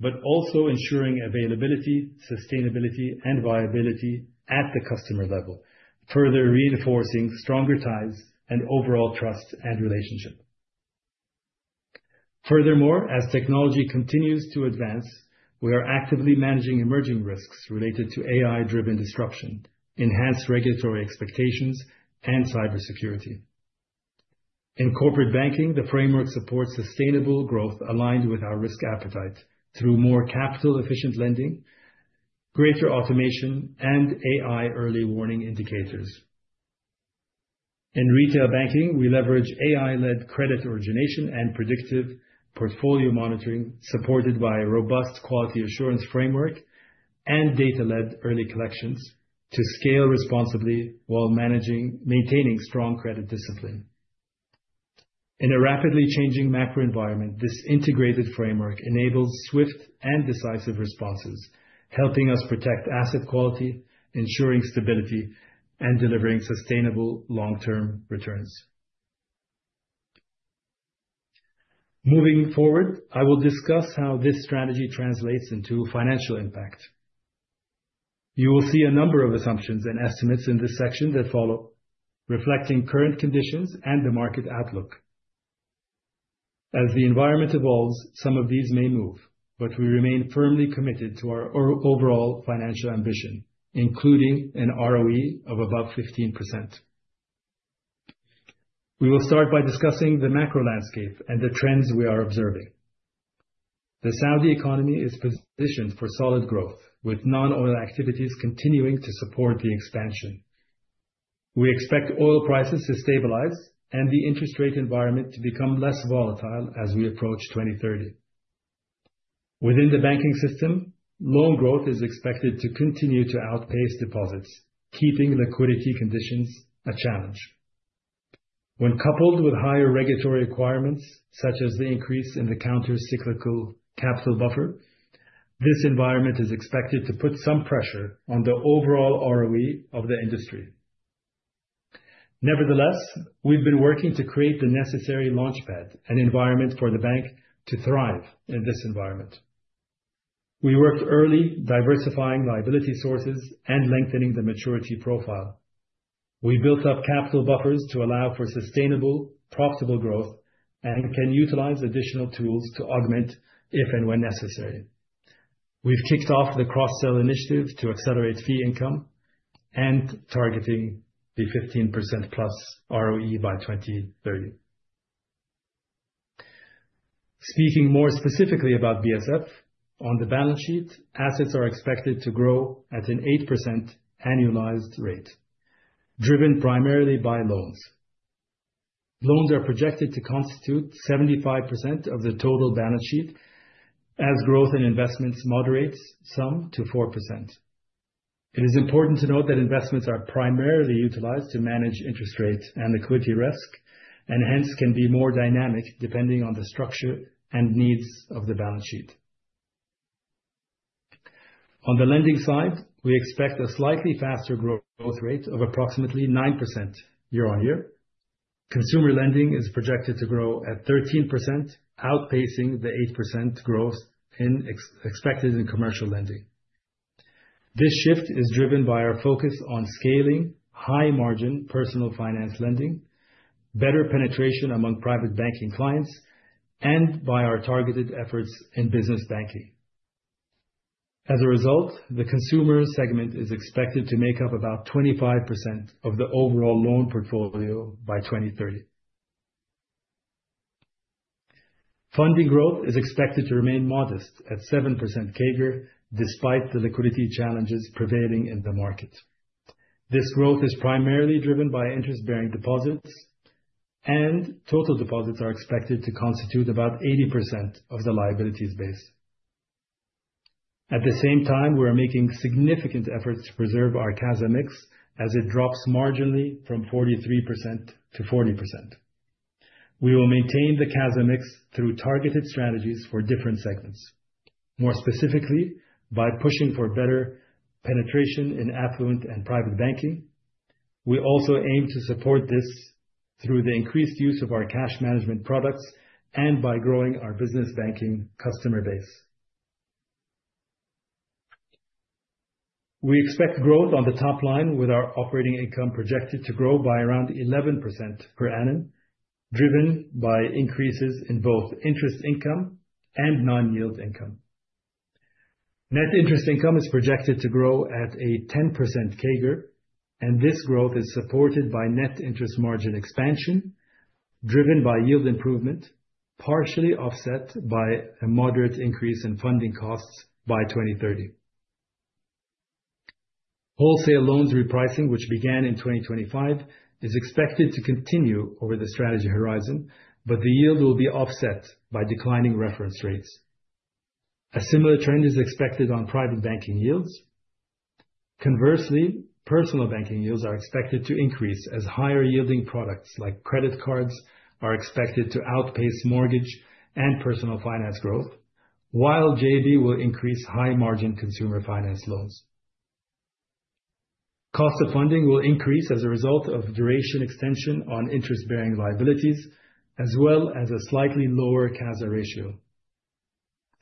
but also ensuring availability, sustainability, and viability at the customer level, further reinforcing stronger ties and overall trust and relationship. Furthermore, as technology continues to advance, we are actively managing emerging risks related to AI-driven disruption, enhanced regulatory expectations, and cybersecurity. In corporate banking, the framework supports sustainable growth aligned with our risk appetite through more capital-efficient lending, greater automation, and AI early warning indicators. In retail banking, we leverage AI-led credit origination and predictive portfolio monitoring, supported by a robust quality assurance framework and data-led early collections to scale responsibly while maintaining strong credit discipline. In a rapidly changing macro environment, this integrated framework enables swift and decisive responses, helping us protect asset quality, ensuring stability, and delivering sustainable long-term returns. Moving forward, I will discuss how this strategy translates into financial impact. You will see a number of assumptions and estimates in this section that follow, reflecting current conditions and the market outlook. As the environment evolves, some of these may move, but we remain firmly committed to our overall financial ambition, including an ROE of above 15%. We will start by discussing the macro landscape and the trends we are observing. The Saudi economy is positioned for solid growth, with non-oil activities continuing to support the expansion. We expect oil prices to stabilize and the interest rate environment to become less volatile as we approach 2030. Within the banking system, loan growth is expected to continue to outpace deposits, keeping liquidity conditions a challenge. When coupled with higher regulatory requirements, such as the increase in the counter-cyclical capital buffer, this environment is expected to put some pressure on the overall ROE of the industry. Nevertheless, we've been working to create the necessary launchpad and environment for the bank to thrive in this environment. We worked early, diversifying liability sources and lengthening the maturity profile. We built up capital buffers to allow for sustainable, profitable growth and can utilize additional tools to augment if and when necessary. We've kicked off the cross-sell initiative to accelerate fee income and targeting the 15%+ ROE by 2030. Speaking more specifically about BSF, on the balance sheet, assets are expected to grow at an 8% annualized rate, driven primarily by loans. Loans are projected to constitute 75% of the total balance sheet as growth in investments moderates some to 4%. It is important to note that investments are primarily utilized to manage interest rates and liquidity risk, and hence can be more dynamic depending on the structure and needs of the balance sheet. On the lending side, we expect a slightly faster growth rate of approximately 9% year-on-year. Consumer lending is projected to grow at 13%, outpacing the 8% growth expected in commercial lending. This shift is driven by our focus on scaling high margin personal finance lending, better penetration among private banking clients, and by our targeted efforts in business banking. As a result, the consumer segment is expected to make up about 25% of the overall loan portfolio by 2030. Funding growth is expected to remain modest at 7% CAGR despite the liquidity challenges prevailing in the market. This growth is primarily driven by interest-bearing deposits, and total deposits are expected to constitute about 80% of the liabilities base. At the same time, we're making significant efforts to preserve our CASA mix as it drops marginally from 43% to 40%. We will maintain the CASA mix through targeted strategies for different segments. More specifically, by pushing for better penetration in affluent and private banking. We also aim to support this through the increased use of our cash management products and by growing our business banking customer base. We expect growth on the top line with our operating income projected to grow by around 11% per annum, driven by increases in both interest income and non-yield income. Net interest income is projected to grow at a 10% CAGR, and this growth is supported by net interest margin expansion, driven by yield improvement, partially offset by a moderate increase in funding costs by 2030. Wholesale loans repricing, which began in 2025, is expected to continue over the strategy horizon, but the yield will be offset by declining reference rates. A similar trend is expected on private banking yields. Conversely, personal banking yields are expected to increase as higher yielding products like credit cards are expected to outpace mortgage and personal finance growth. While JB will increase high margin consumer finance loans. Cost of funding will increase as a result of duration extension on interest bearing liabilities, as well as a slightly lower CASA ratio.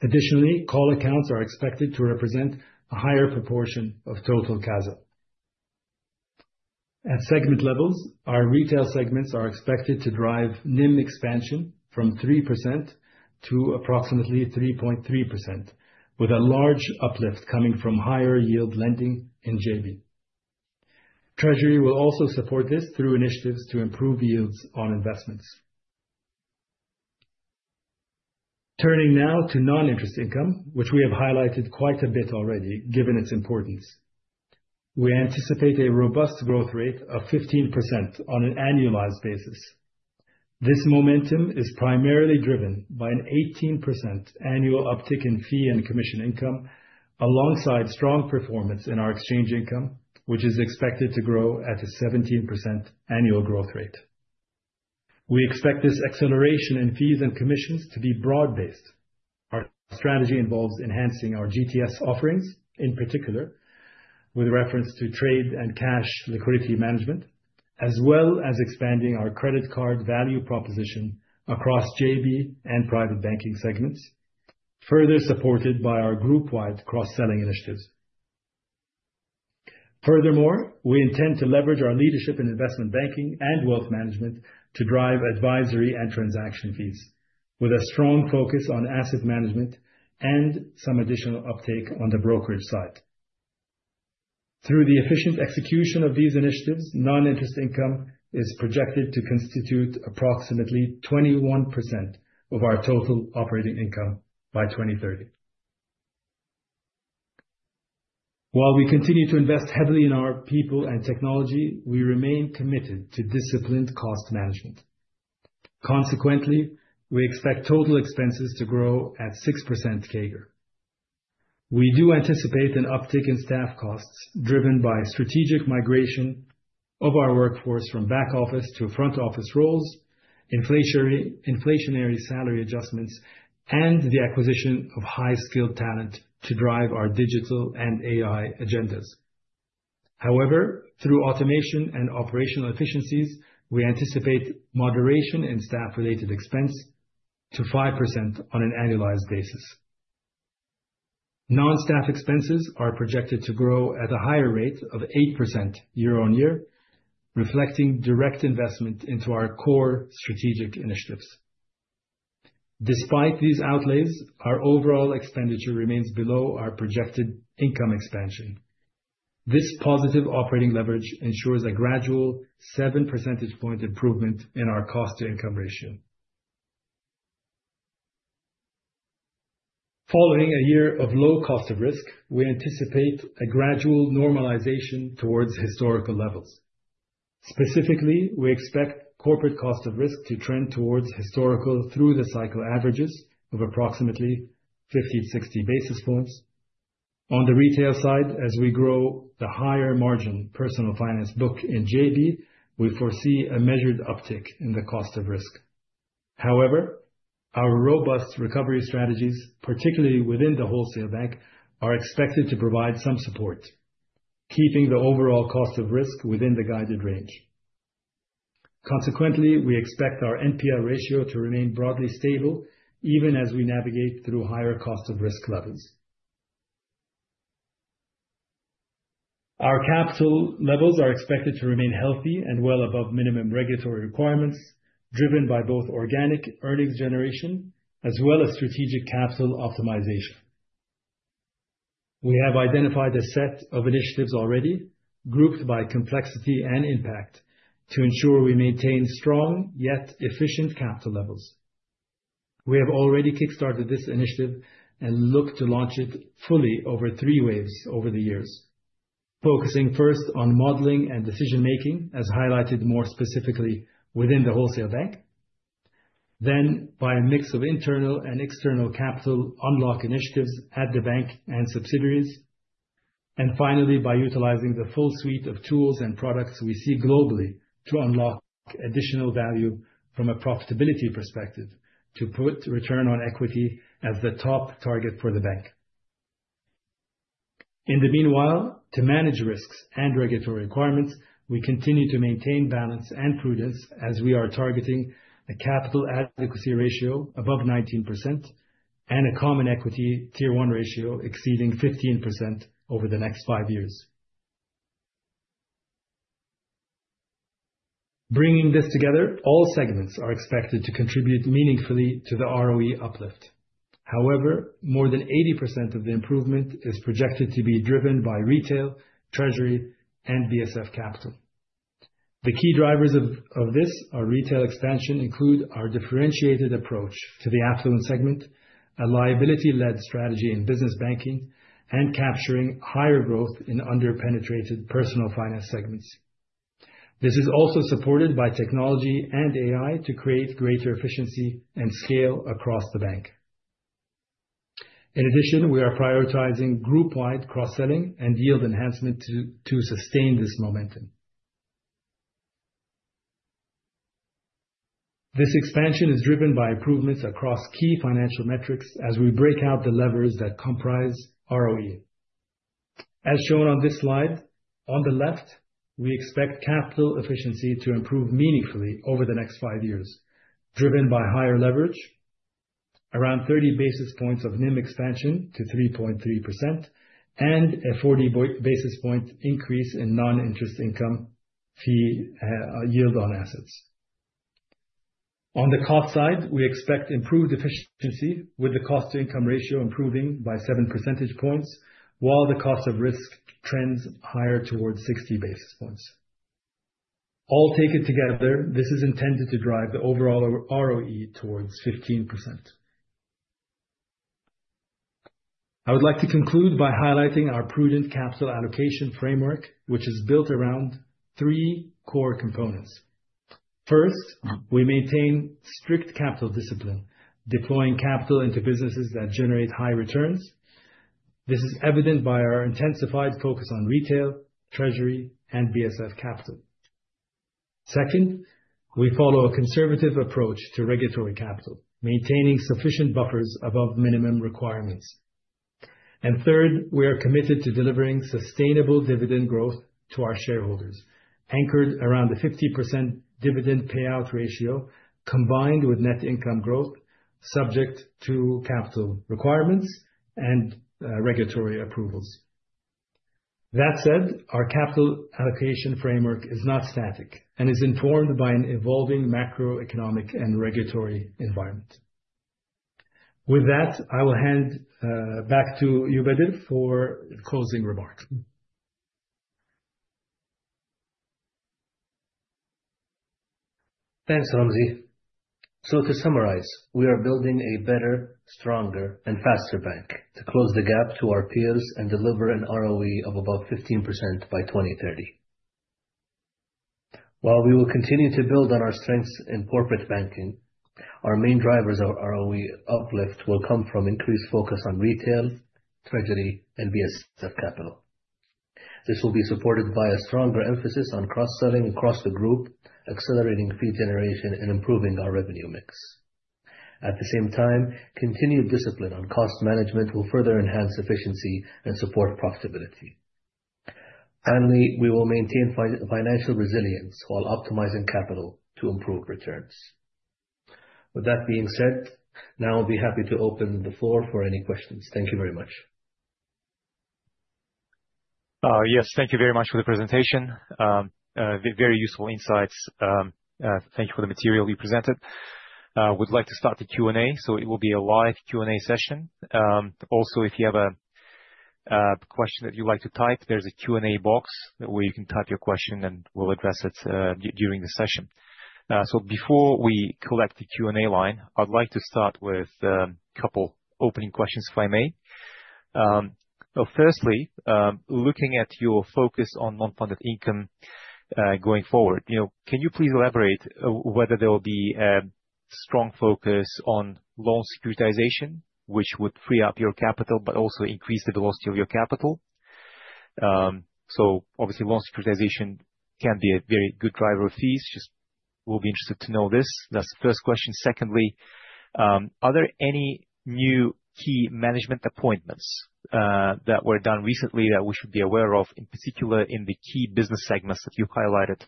Additionally, call accounts are expected to represent a higher proportion of total CASA. At segment levels, our retail segments are expected to drive NIM expansion from 3% to approximately 3.3%, with a large uplift coming from higher yield lending in JB. Treasury will also support this through initiatives to improve yields on investments. Turning now to non-interest income, which we have highlighted quite a bit already, given its importance. We anticipate a robust growth rate of 15% on an annualized basis. This momentum is primarily driven by an 18% annual uptick in fee and commission income, alongside strong performance in our exchange income, which is expected to grow at a 17% annual growth rate. We expect this acceleration in fees and commissions to be broad-based. Our strategy involves enhancing our GTS offerings, in particular with reference to trade and cash liquidity management, as well as expanding our credit card value proposition across JB and private banking segments, further supported by our group-wide cross-selling initiatives. Furthermore, we intend to leverage our leadership in investment banking and wealth management to drive advisory and transaction fees, with a strong focus on asset management and some additional uptake on the brokerage side. Through the efficient execution of these initiatives, non-interest income is projected to constitute approximately 21% of our total operating income by 2030. While we continue to invest heavily in our people and technology, we remain committed to disciplined cost management. Consequently, we expect total expenses to grow at 6% CAGR. We do anticipate an uptick in staff costs driven by strategic migration of our workforce from back office to front office roles, inflationary salary adjustments, and the acquisition of high-skilled talent to drive our digital and AI agendas. However, through automation and operational efficiencies, we anticipate moderation in staff-related expense to 5% on an annualized basis. Non-staff expenses are projected to grow at a higher rate of 8% year on year, reflecting direct investment into our core strategic initiatives. Despite these outlays, our overall expenditure remains below our projected income expansion. This positive operating leverage ensures a gradual seven percentage point improvement in our cost-to-income ratio. Following a year of low cost of risk, we anticipate a gradual normalization towards historical levels. Specifically, we expect corporate cost of risk to trend towards historical through-the-cycle averages of approximately 50 to 60 basis points. On the retail side, as we grow the higher margin personal finance book in JB, we foresee a measured uptick in the cost of risk. However, our robust recovery strategies, particularly within the wholesale bank, are expected to provide some support, keeping the overall cost of risk within the guided range. Consequently, we expect our NPL ratio to remain broadly stable even as we navigate through higher cost of risk levels. Our capital levels are expected to remain healthy and well above minimum regulatory requirements, driven by both organic earnings generation as well as strategic capital optimization. We have identified a set of initiatives already, grouped by complexity and impact, to ensure we maintain strong yet efficient capital levels. We have already kickstarted this initiative and look to launch it fully over three waves over the years, focusing first on modeling and decision making, as highlighted more specifically within the wholesale bank, then by a mix of internal and external capital unlock initiatives at the bank and subsidiaries, and finally, by utilizing the full suite of tools and products we see globally to unlock additional value from a profitability perspective to put return on equity as the top target for the bank. In the meanwhile, to manage risks and regulatory requirements, we continue to maintain balance and prudence as we are targeting a capital adequacy ratio above 19% and a common equity tier 1 ratio exceeding 15% over the next five years. Bringing this together, all segments are expected to contribute meaningfully to the ROE uplift. More than 80% of the improvement is projected to be driven by retail, treasury, and BSF Capital. The key drivers of this are retail expansion include our differentiated approach to the affluent segment, a liability-led strategy in business banking, and capturing higher growth in under-penetrated personal finance segments. This is also supported by technology and AI to create greater efficiency and scale across the bank. In addition, we are prioritizing group-wide cross-selling and yield enhancement to sustain this momentum. This expansion is driven by improvements across key financial metrics as we break out the levers that comprise ROE. As shown on this slide, on the left, we expect capital efficiency to improve meaningfully over the next five years, driven by higher leverage, around 30 basis points of NIM expansion to 3.3%, and a 40 basis point increase in non-interest income fee yield on assets. On the cost side, we expect improved efficiency with the cost-to-income ratio improving by seven percentage points, while the cost of risk trends higher towards 60 basis points. All taken together, this is intended to drive the overall ROE towards 15%. I would like to conclude by highlighting our prudent capital allocation framework, which is built around three core components. First, we maintain strict capital discipline, deploying capital into businesses that generate high returns. This is evident by our intensified focus on retail, treasury, and BSF Capital. Second, we follow a conservative approach to regulatory capital, maintaining sufficient buffers above minimum requirements. Third, we are committed to delivering sustainable dividend growth to our shareholders, anchored around a 50% dividend payout ratio, combined with net income growth, subject to capital requirements and regulatory approvals. That said, our capital allocation framework is not static and is informed by an evolving macroeconomic and regulatory environment. With that, I will hand back to Ubadil for closing remarks. Thanks, Ramzy. To summarize, we are building a Better, Stronger, Faster bank to close the gap to our peers and deliver an ROE of above 15% by 2030. While we will continue to build on our strengths in corporate banking, our main drivers of ROE uplift will come from increased focus on retail, treasury, and BSF Capital. This will be supported by a stronger emphasis on cross-selling across the group, accelerating fee generation, and improving our revenue mix. At the same time, continued discipline on cost management will further enhance efficiency and support profitability. Finally, we will maintain financial resilience while optimizing capital to improve returns. With that being said, now I'll be happy to open the floor for any questions. Thank you very much. Yes, thank you very much for the presentation. Very useful insights. Thank you for the material you presented. Would like to start the Q&A. It will be a live Q&A session. Also, if you have a question that you'd like to type, there's a Q&A box where you can type your question and we'll address it during the session. Before we collect the Q&A line, I would like to start with a couple opening questions, if I may. Firstly, looking at your focus on non-funded income, going forward, can you please elaborate whether there will be a strong focus on loan securitization, which would free up your capital but also increase the velocity of your capital? Obviously, loan securitization can be a very good driver of fees. Just will be interested to know this. That's the first question. Secondly, are there any new key management appointments that were done recently that we should be aware of, in particular in the key business segments that you highlighted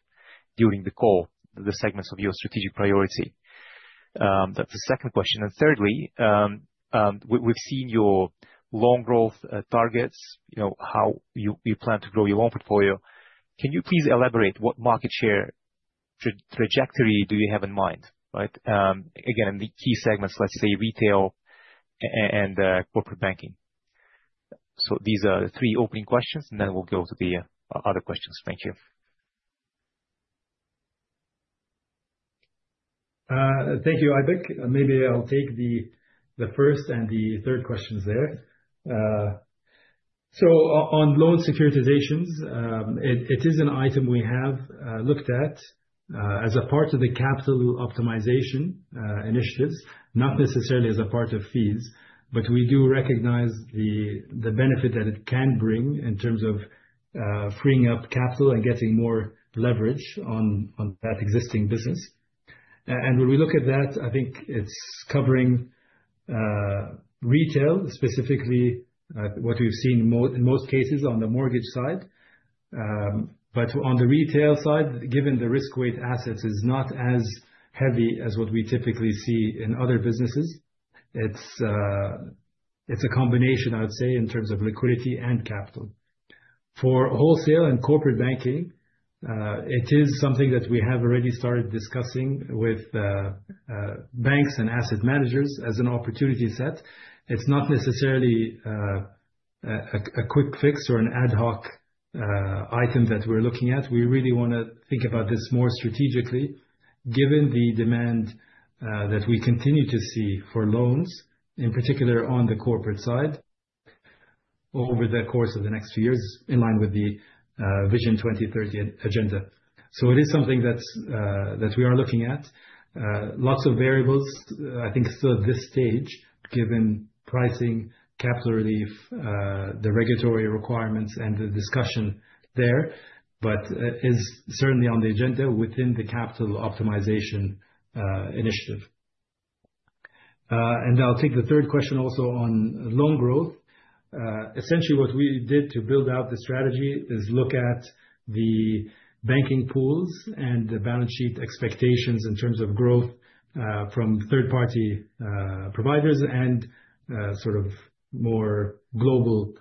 during the call, the segments of your strategic priority? That's the second question. Thirdly, we've seen your loan growth targets, how you plan to grow your loan portfolio. Can you please elaborate what market share trajectory do you have in mind, right? Again, the key segments, let's say retail and corporate banking. These are the three opening questions, and then we'll go to the other questions. Thank you. Thank you, Ibek. Maybe I'll take the first and the third questions there. On loan securitizations, it is an item we have looked at, as a part of the capital optimization initiatives, not necessarily as a part of fees. We do recognize the benefit that it can bring in terms of freeing up capital and getting more leverage on that existing business. When we look at that, I think it's covering retail, specifically what we've seen in most cases on the mortgage side. On the retail side, given the risk weight assets is not as heavy as what we typically see in other businesses. It's a combination, I would say, in terms of liquidity and capital. For wholesale and corporate banking, it is something that we have already started discussing with banks and asset managers as an opportunity set. It's not necessarily a quick fix or an ad hoc item that we're looking at. We really want to think about this more strategically given the demand that we continue to see for loans, in particular on the corporate side over the course of the next few years, in line with the Vision 2030 agenda. So it is something that we are looking at. Lots of variables, I think, still at this stage, given pricing, capital relief, the regulatory requirements and the discussion there, but it is certainly on the agenda within the capital optimization initiative. I'll take the third question also on loan growth. Essentially what we did to build out the strategy is look at the banking pools and the balance sheet expectations in terms of growth from third-party providers and sort of more global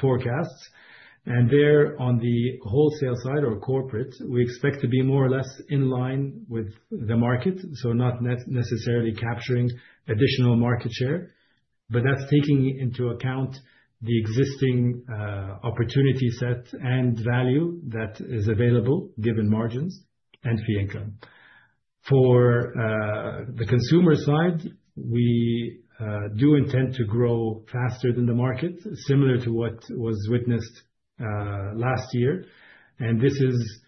forecasts. There, on the wholesale side or corporate, we expect to be more or less in line with the market. So not necessarily capturing additional market share, but that's taking into account the existing opportunity set and value that is available given margins and fee income. For the consumer side, we do intend to grow faster than the market, similar to what was witnessed last year. This is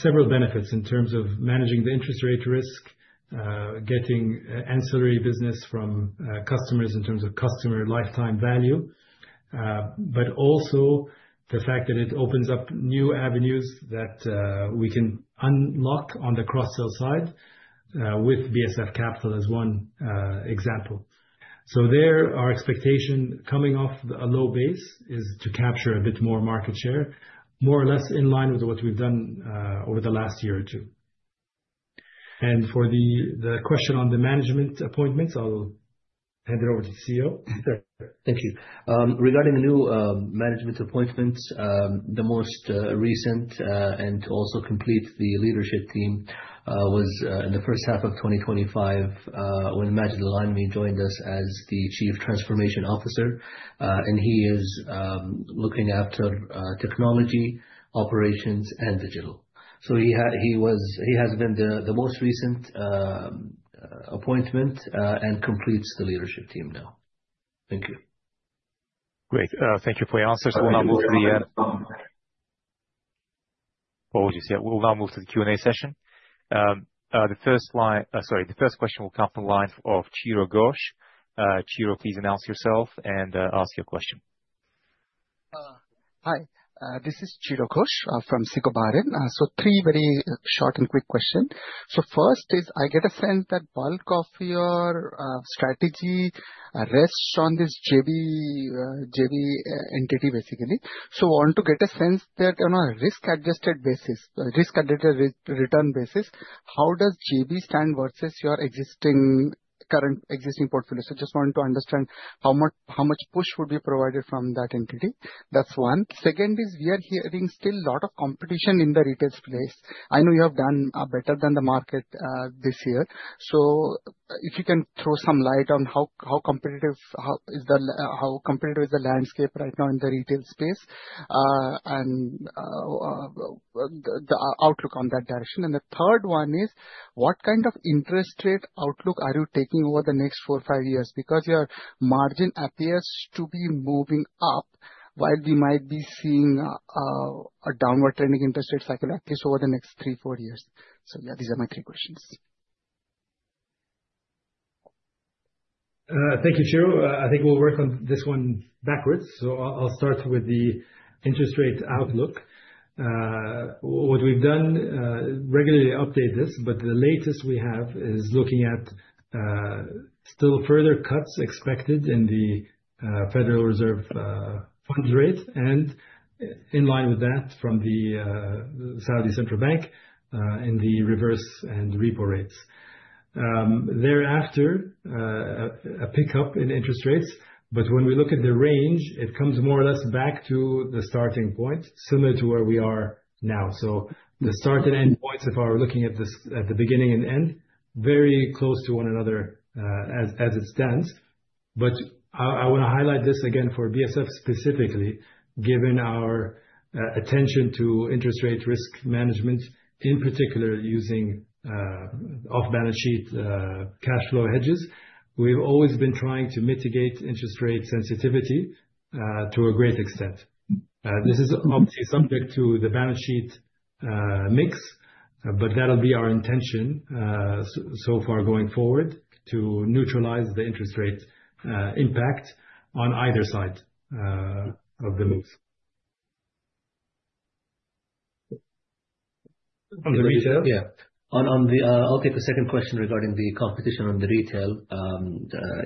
several benefits in terms of managing the interest rate risk, getting ancillary business from customers in terms of customer lifetime value, but also the fact that it opens up new avenues that we can unlock on the cross-sell side with BSF Capital as one example. There, our expectation coming off a low base is to capture a bit more market share, more or less in line with what we've done over the last year or two. For the question on the management appointments, I'll hand it over to the CEO. Thank you. Regarding the new management appointments, the most recent, and to also complete the leadership team, was in the first half of 2025, when Majed Al-Onaymi joined us as the Chief Transformation Officer. He is looking after technology, operations, and digital. He has been the most recent appointment, and completes the leadership team now. Thank you. Great. Thank you for your answers. We'll now move to the Q&A session. The first question will come from the line of Chiradeep Ghosh. Chiro, please announce yourself and ask your question. Hi. This is Chiradeep Ghosh from SICO. Three very short and quick questions. First is, I get a sense that bulk of your strategy rests on this JB entity, basically. I want to get a sense that on a risk adjusted return basis, how does JB stand versus your current existing portfolio? Just want to understand how much push would be provided from that entity. That's one. Second is, we are hearing still lot of competition in the retail space. I know you have done better than the market this year. If you can throw some light on how competitive is the landscape right now in the retail space, and the outlook on that direction. The third one is, what kind of interest rate outlook are you taking over the next four or five years? Your margin appears to be moving up while we might be seeing a downward trending interest rate cycle, at least over the next three, four years. Yeah, these are my three questions. Thank you, Chiro. I think we'll work on this one backwards. I'll start with the interest rate outlook. What we've done, regularly update this, but the latest we have is looking at still further cuts expected in the Federal Reserve funds rate and, in line with that from the Saudi Central Bank, in the reverse and repo rates. Thereafter, a pickup in interest rates, but when we look at the range, it comes more or less back to the starting point, similar to where we are now. The start and end points, if I were looking at the beginning and end, very close to one another as it stands. I want to highlight this again for BSF specifically, given our attention to interest rate risk management, in particular using off-balance sheet cash flow hedges. We've always been trying to mitigate interest rate sensitivity to a great extent. This is obviously subject to the balance sheet mix, that'll be our intention so far going forward, to neutralize the interest rate impact on either side of the moves. On the retail? Yeah. I'll take the second question regarding the competition on the retail.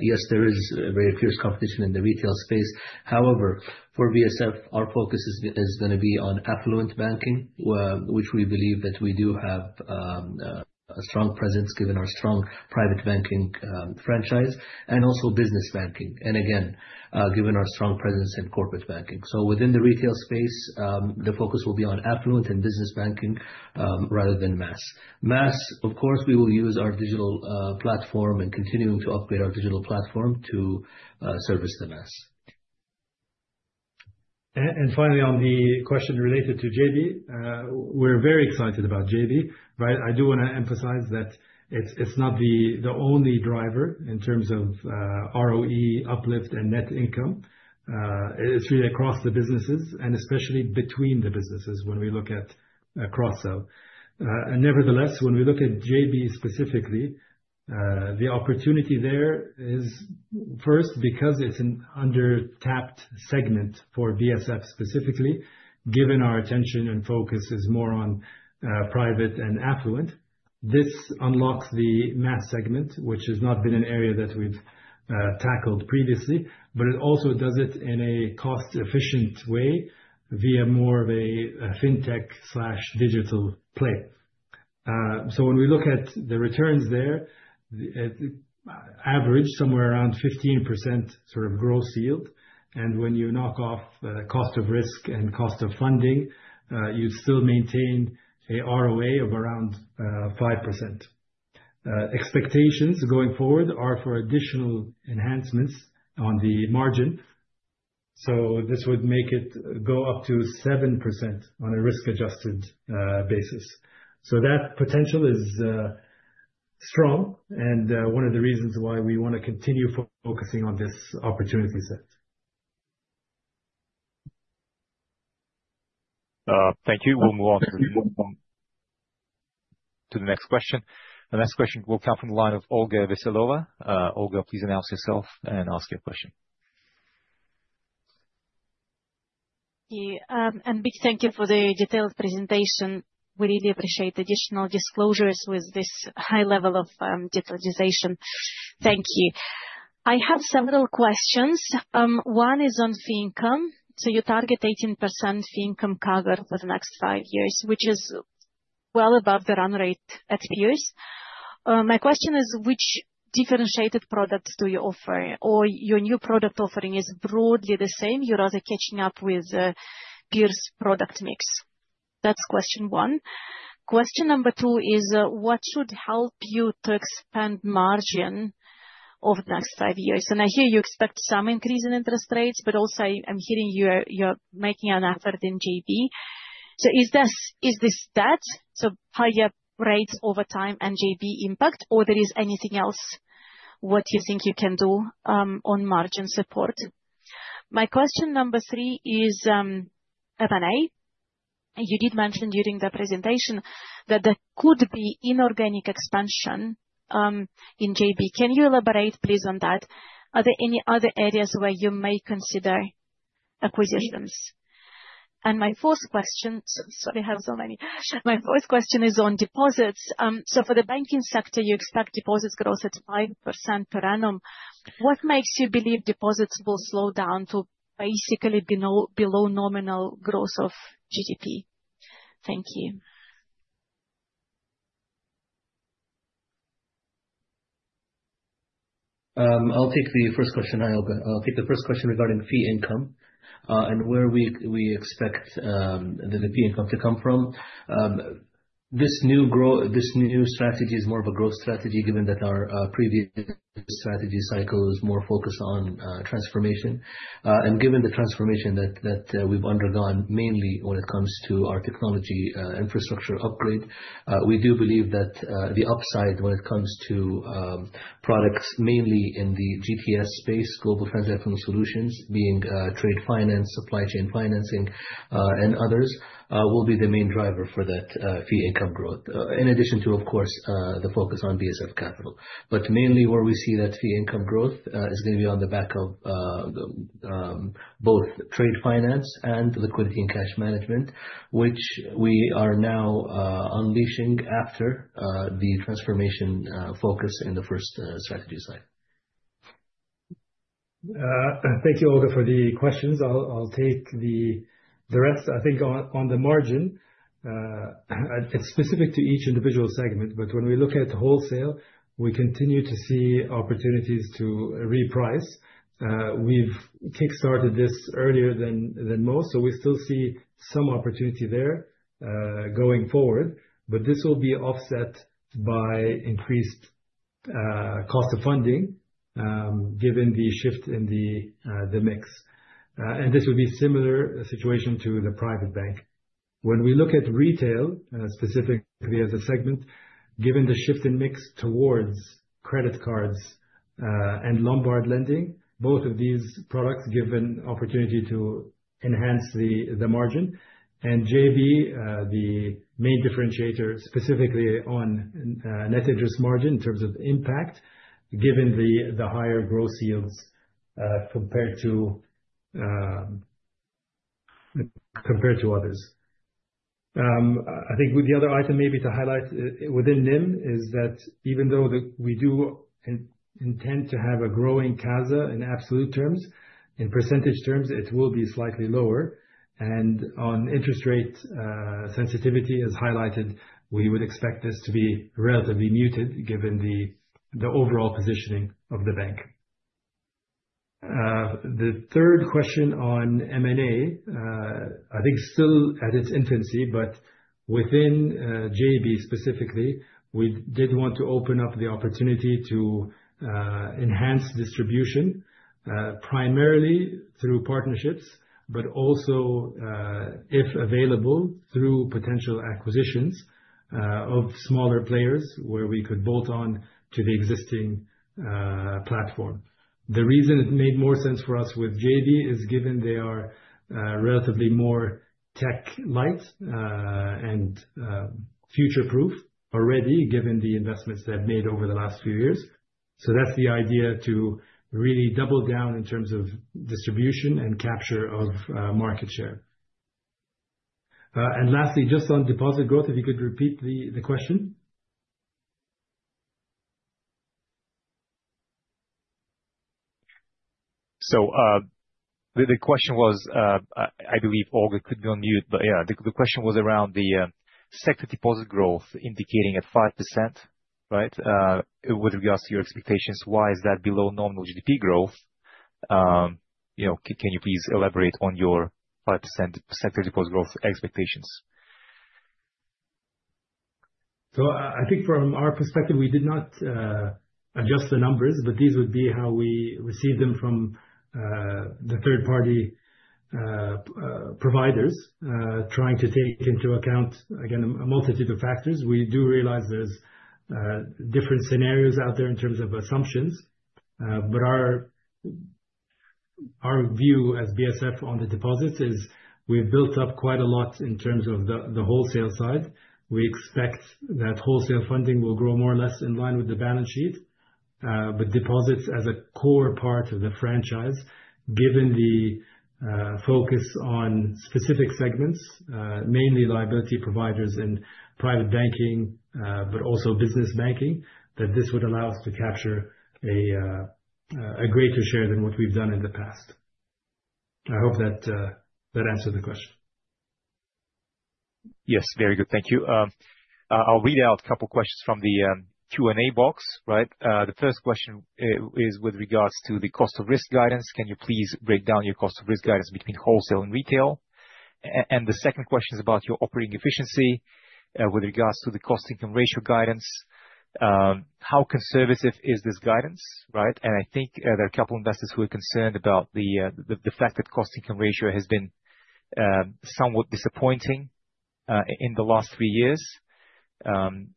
Yes, there is very fierce competition in the retail space. For BSF, our focus is going to be on affluent banking, which we believe that we do have a strong presence given our strong private banking franchise, and also business banking. Again, given our strong presence in corporate banking. Within the retail space, the focus will be on affluent and business banking rather than mass. Mass, of course, we will use our digital platform and continuing to upgrade our digital platform to service the mass. Finally, on the question related to JB. We're very excited about JB, but I do want to emphasize that it's not the only driver in terms of ROE uplift and net income. It's really across the businesses and especially between the businesses when we look at a cross-sell. Nevertheless, when we look at JB specifically, the opportunity there is first because it's an under-tapped segment for BSF specifically, given our attention and focus is more on private and affluent. This unlocks the mass segment, which has not been an area that we've tackled previously, but it also does it in a cost-efficient way via more of a fintech/digital play. When we look at the returns there, average somewhere around 15% sort of gross yield. When you knock off cost of risk and cost of funding, you still maintain a ROA of around 5%. Expectations going forward are for additional enhancements on the margin. This would make it go up to 7% on a risk-adjusted basis. That potential is strong and one of the reasons why we want to continue focusing on this opportunity set. Thank you. We'll move on to the next question. The next question will come from the line of Olga Veselova. Olga, please announce yourself and ask your question. Big thank you for the detailed presentation. We really appreciate the additional disclosures with this high level of digitization. Thank you. I have several questions. One is on fee income. You target 18% fee income cover for the next five years, which is well above the run rate at peers. My question is, which differentiated products do you offer? Or your new product offering is broadly the same, you're rather catching up with peers' product mix? That's question 1. Question number 2 is, what should help you to expand margin over the next five years? I hear you expect some increase in interest rates, but also I'm hearing you're making an effort in JB. Is this that, higher rates over time and JANA impact, or there is anything else what you think you can do on margin support? My question number 3 is, M&A. You did mention during the presentation that there could be inorganic expansion, in JANA. Can you elaborate, please, on that? Are there any other areas where you may consider acquisitions? My fourth question. Sorry, I have so many. My fourth question is on deposits. For the banking sector, you expect deposits growth at 5% per annum. What makes you believe deposits will slow down to basically below nominal growth of GDP? Thank you. I'll take the first question regarding fee income, and where we expect the fee income to come from. This new strategy is more of a growth strategy, given that our previous strategy cycle was more focused on transformation. Given the transformation that we've undergone, mainly when it comes to our technology infrastructure upgrade, we do believe that the upside when it comes to products, mainly in the GTS space, global transactional solutions, being trade finance, supply chain financing, and others, will be the main driver for that fee income growth. In addition to, of course, the focus on BSF Capital. Mainly where we see that fee income growth is going to be on the back of both trade finance and liquidity and cash management, which we are now unleashing after the transformation focus in the first strategy slide. Thank you, Olga, for the questions. I'll take the rest, I think, on the margin. It's specific to each individual segment, but when we look at wholesale, we continue to see opportunities to reprice. We've kickstarted this earlier than most, we still see some opportunity there, going forward. This will be offset by increased cost of funding, given the shift in the mix. This would be similar situation to the private bank. When we look at retail, specifically as a segment, given the shift in mix towards credit cards, and Lombard lending, both of these products give an opportunity to enhance the margin. JANA, the main differentiator specifically on net interest margin in terms of impact, given the higher growth yields, compared to others. I think with the other item maybe to highlight within NIM is that even though we do intend to have a growing CASA in absolute terms, in percentage terms it will be slightly lower. On interest rate sensitivity as highlighted, we would expect this to be relatively muted given the overall positioning of the bank. The third question on M&A, I think still at its infancy, but within JANA specifically, we did want to open up the opportunity to enhance distribution, primarily through partnerships, but also, if available, through potential acquisitions of smaller players where we could bolt on to the existing platform. The reason it made more sense for us with JANA is given they are relatively more tech light, and future proof already, given the investments they have made over the last few years. That's the idea to really double down in terms of distribution and capture of market share. Lastly, just on deposit growth, if you could repeat the question. The question was, I believe Olga could be on mute, but yeah, the question was around the sector deposit growth indicating at 5%, right? With regards to your expectations, why is that below normal GDP growth? Can you please elaborate on your 5% sector deposit growth expectations? I think from our perspective, we did not adjust the numbers, but these would be how we receive them from the third party providers, trying to take into account, again, a multitude of factors. We do realize there's different scenarios out there in terms of assumptions. Our view as BSF on the deposits is we've built up quite a lot in terms of the wholesale side. We expect that wholesale funding will grow more or less in line with the balance sheet. Deposits as a core part of the franchise, given the focus on specific segments, mainly liability providers and private banking, but also business banking, that this would allow us to capture a greater share than what we've done in the past. I hope that answered the question. Yes. Very good. Thank you. I'll read out a couple questions from the Q&A box, right? The first question is with regards to the cost of risk guidance. Can you please break down your cost of risk guidance between wholesale and retail? The second question is about your operating efficiency with regards to the cost income ratio guidance. How conservative is this guidance, right? I think there are a couple investors who are concerned about the fact that cost income ratio has been somewhat disappointing in the last three years, and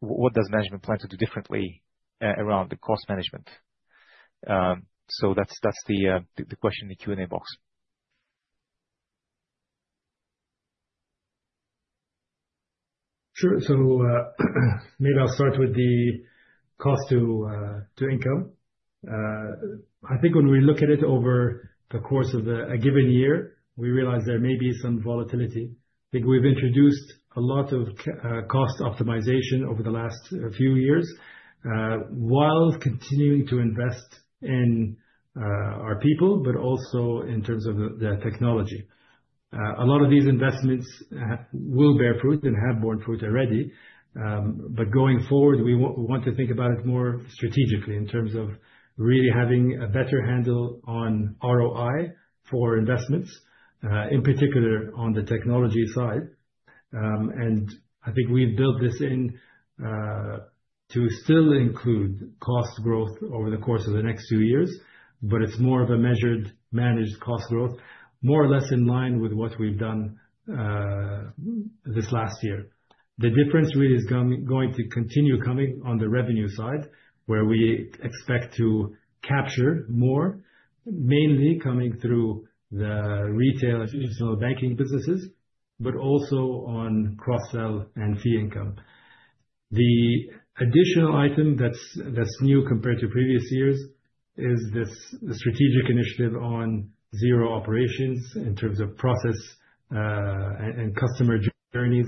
what does management plan to do differently around the cost management? That's the question in the Q&A box. Sure. Maybe I'll start with the cost to income. I think when we look at it over the course of a given year, we realize there may be some volatility. I think we've introduced a lot of cost optimization over the last few years, while continuing to invest in our people, but also in terms of the technology. A lot of these investments will bear fruit and have borne fruit already. Going forward, we want to think about it more strategically in terms of really having a better handle on ROI for investments, in particular, on the technology side. I think we've built this in to still include cost growth over the course of the next 2 years, but it's more of a measured, managed cost growth, more or less in line with what we've done this last year. The difference really is going to continue coming on the revenue side, where we expect to capture more, mainly coming through the retail institutional banking businesses, but also on cross-sell and fee income. The additional item that's new compared to previous years is this strategic initiative on zero operations in terms of process, and customer journeys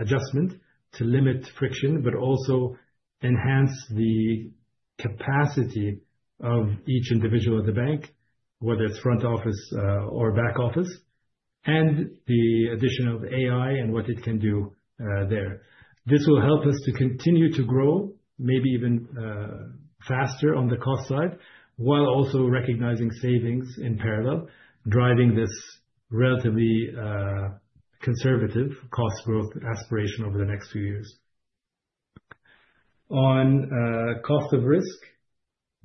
adjustment to limit friction, but also enhance the capacity of each individual at the bank, whether it's front office or back office, and the addition of AI and what it can do there. This will help us to continue to grow, maybe even faster on the cost side, while also recognizing savings in parallel, driving this relatively conservative cost growth aspiration over the next few years. On cost of risk,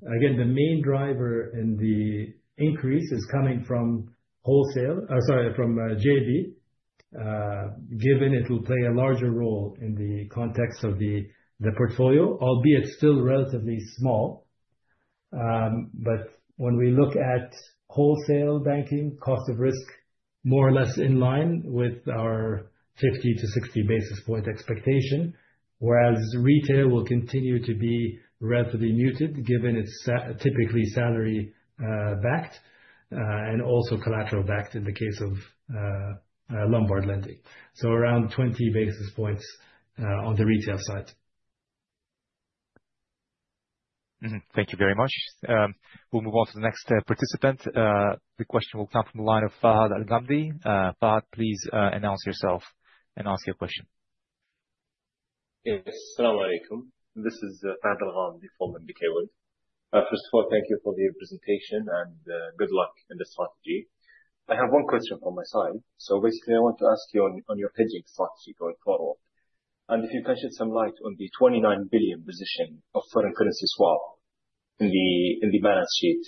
again, the main driver in the increase is coming from JB, given it will play a larger role in the context of the portfolio, albeit still relatively small. When we look at wholesale banking, cost of risk more or less in line with our 50 to 60 basis point expectation, whereas retail will continue to be relatively muted given its typically salary backed, and also collateral backed in the case of Lombard lending. Around 20 basis points on the retail side. Thank you very much. We'll move on to the next participant. The question will come from the line of Fahad Alghamdi. Fahad, please announce yourself and ask your question. Yes. Salam alaikum. This is Fahad Alghamdi from NBK Wealth. First of all, thank you for the presentation, and good luck in the strategy. I have one question on my side. Basically, I want to ask you on your hedging strategy going forward. If you can shed some light on the 29 billion position of foreign currency swap in the balance sheet.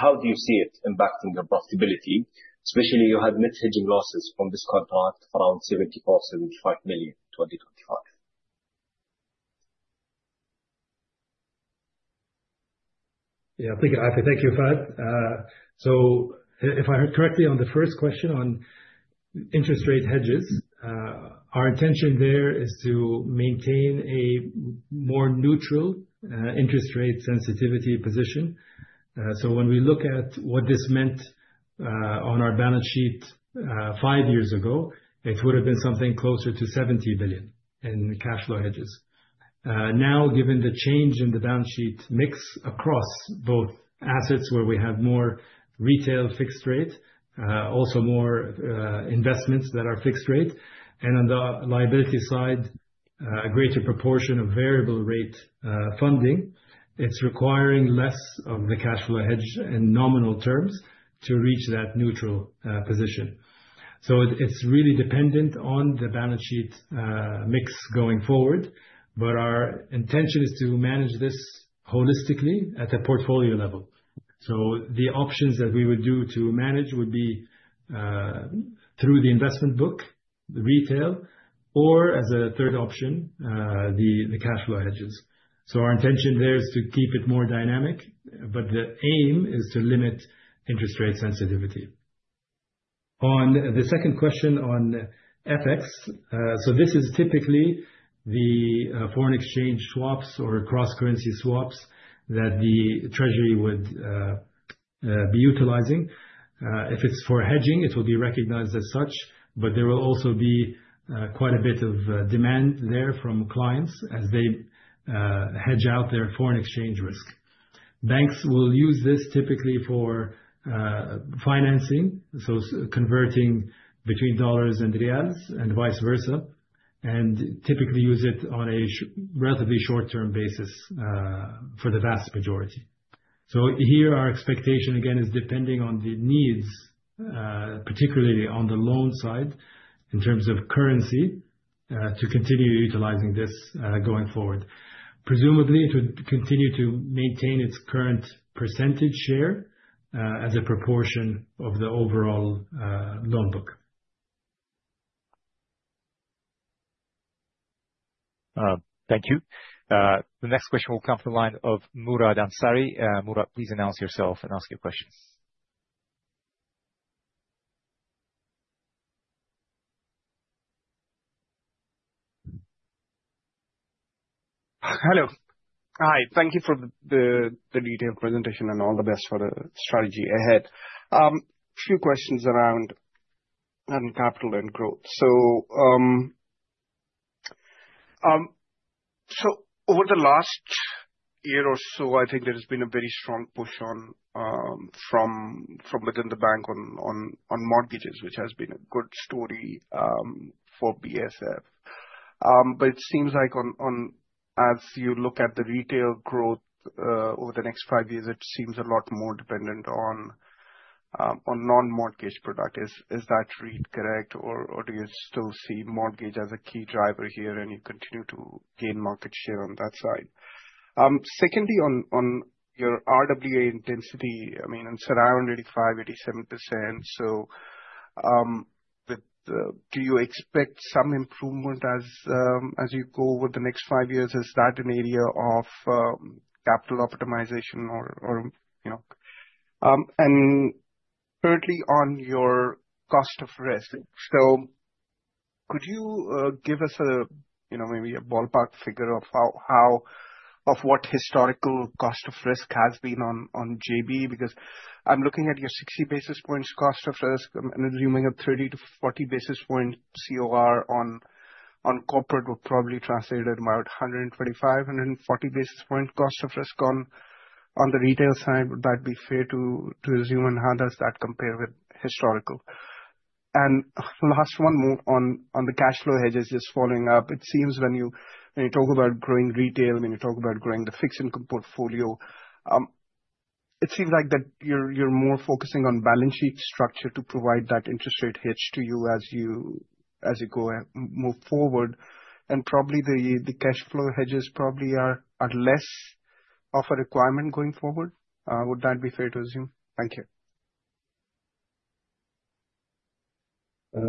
How do you see it impacting the profitability, especially you had net hedging losses from this contract around 74 million-75 million in 2025? Yeah, thank you, Fahad. If I heard correctly on the first question on interest rate hedges, our intention there is to maintain a more neutral interest rate sensitivity position. When we look at what this meant on our balance sheet five years ago, it would've been something closer to 70 billion in cash flow hedges. Now, given the change in the balance sheet mix across both assets where we have more retail fixed rate, also more investments that are fixed rate, and on the liability side, a greater proportion of variable rate funding, it's requiring less of the cash flow hedge in nominal terms to reach that neutral position. It's really dependent on the balance sheet mix going forward, but our intention is to manage this holistically at a portfolio level. The options that we would do to manage would be through the investment book, the retail, or as a third option, the cash flow hedges. Our intention there is to keep it more dynamic, but the aim is to limit interest rate sensitivity. On the second question on FX. This is typically the foreign exchange swaps or cross-currency swaps that the treasury would be utilizing. If it's for hedging, it will be recognized as such, but there will also be quite a bit of demand there from clients as they hedge out their foreign exchange risk. Banks will use this typically for financing, converting between dollars and riyals and vice versa, and typically use it on a relatively short-term basis, for the vast majority. Here, our expectation, again, is depending on the needs, particularly on the loan side, in terms of currency. To continue utilizing this going forward. Presumably, it would continue to maintain its current percentage share as a proportion of the overall loan book. Thank you. The next question will come from the line of Murad Ansari. Murad, please announce yourself and ask your questions. Hello. Hi, thank you for the detailed presentation and all the best for the strategy ahead. A few questions around capital and growth. Over the last year or so, I think there has been a very strong push from within the bank on mortgages, which has been a good story for BSF. It seems like as you look at the retail growth over the next five years, it seems a lot more dependent on non-mortgage product. Is that read correct? Do you still see mortgage as a key driver here, and you continue to gain market share on that side? Secondly, on your RWA intensity, it's around 85%-87%. Do you expect some improvement as you go over the next five years? Is that an area of capital optimization or no? Thirdly, on your cost of risk. Could you give us maybe a ballpark figure of what historical cost of risk has been on JANA? Because I'm looking at your 60 basis points cost of risk, I'm assuming a 30-40 basis point COR on corporate would probably translate at about 125-140 basis point cost of risk on the retail side. Would that be fair to assume, and how does that compare with historical? Last one, on the cash flow hedges, just following up. It seems when you talk about growing retail, and when you talk about growing the fixed income portfolio, it seems like that you're more focusing on balance sheet structure to provide that interest rate hedge to you as you go and move forward. Probably, the cash flow hedges probably are less of a requirement going forward. Would that be fair to assume? Thank you.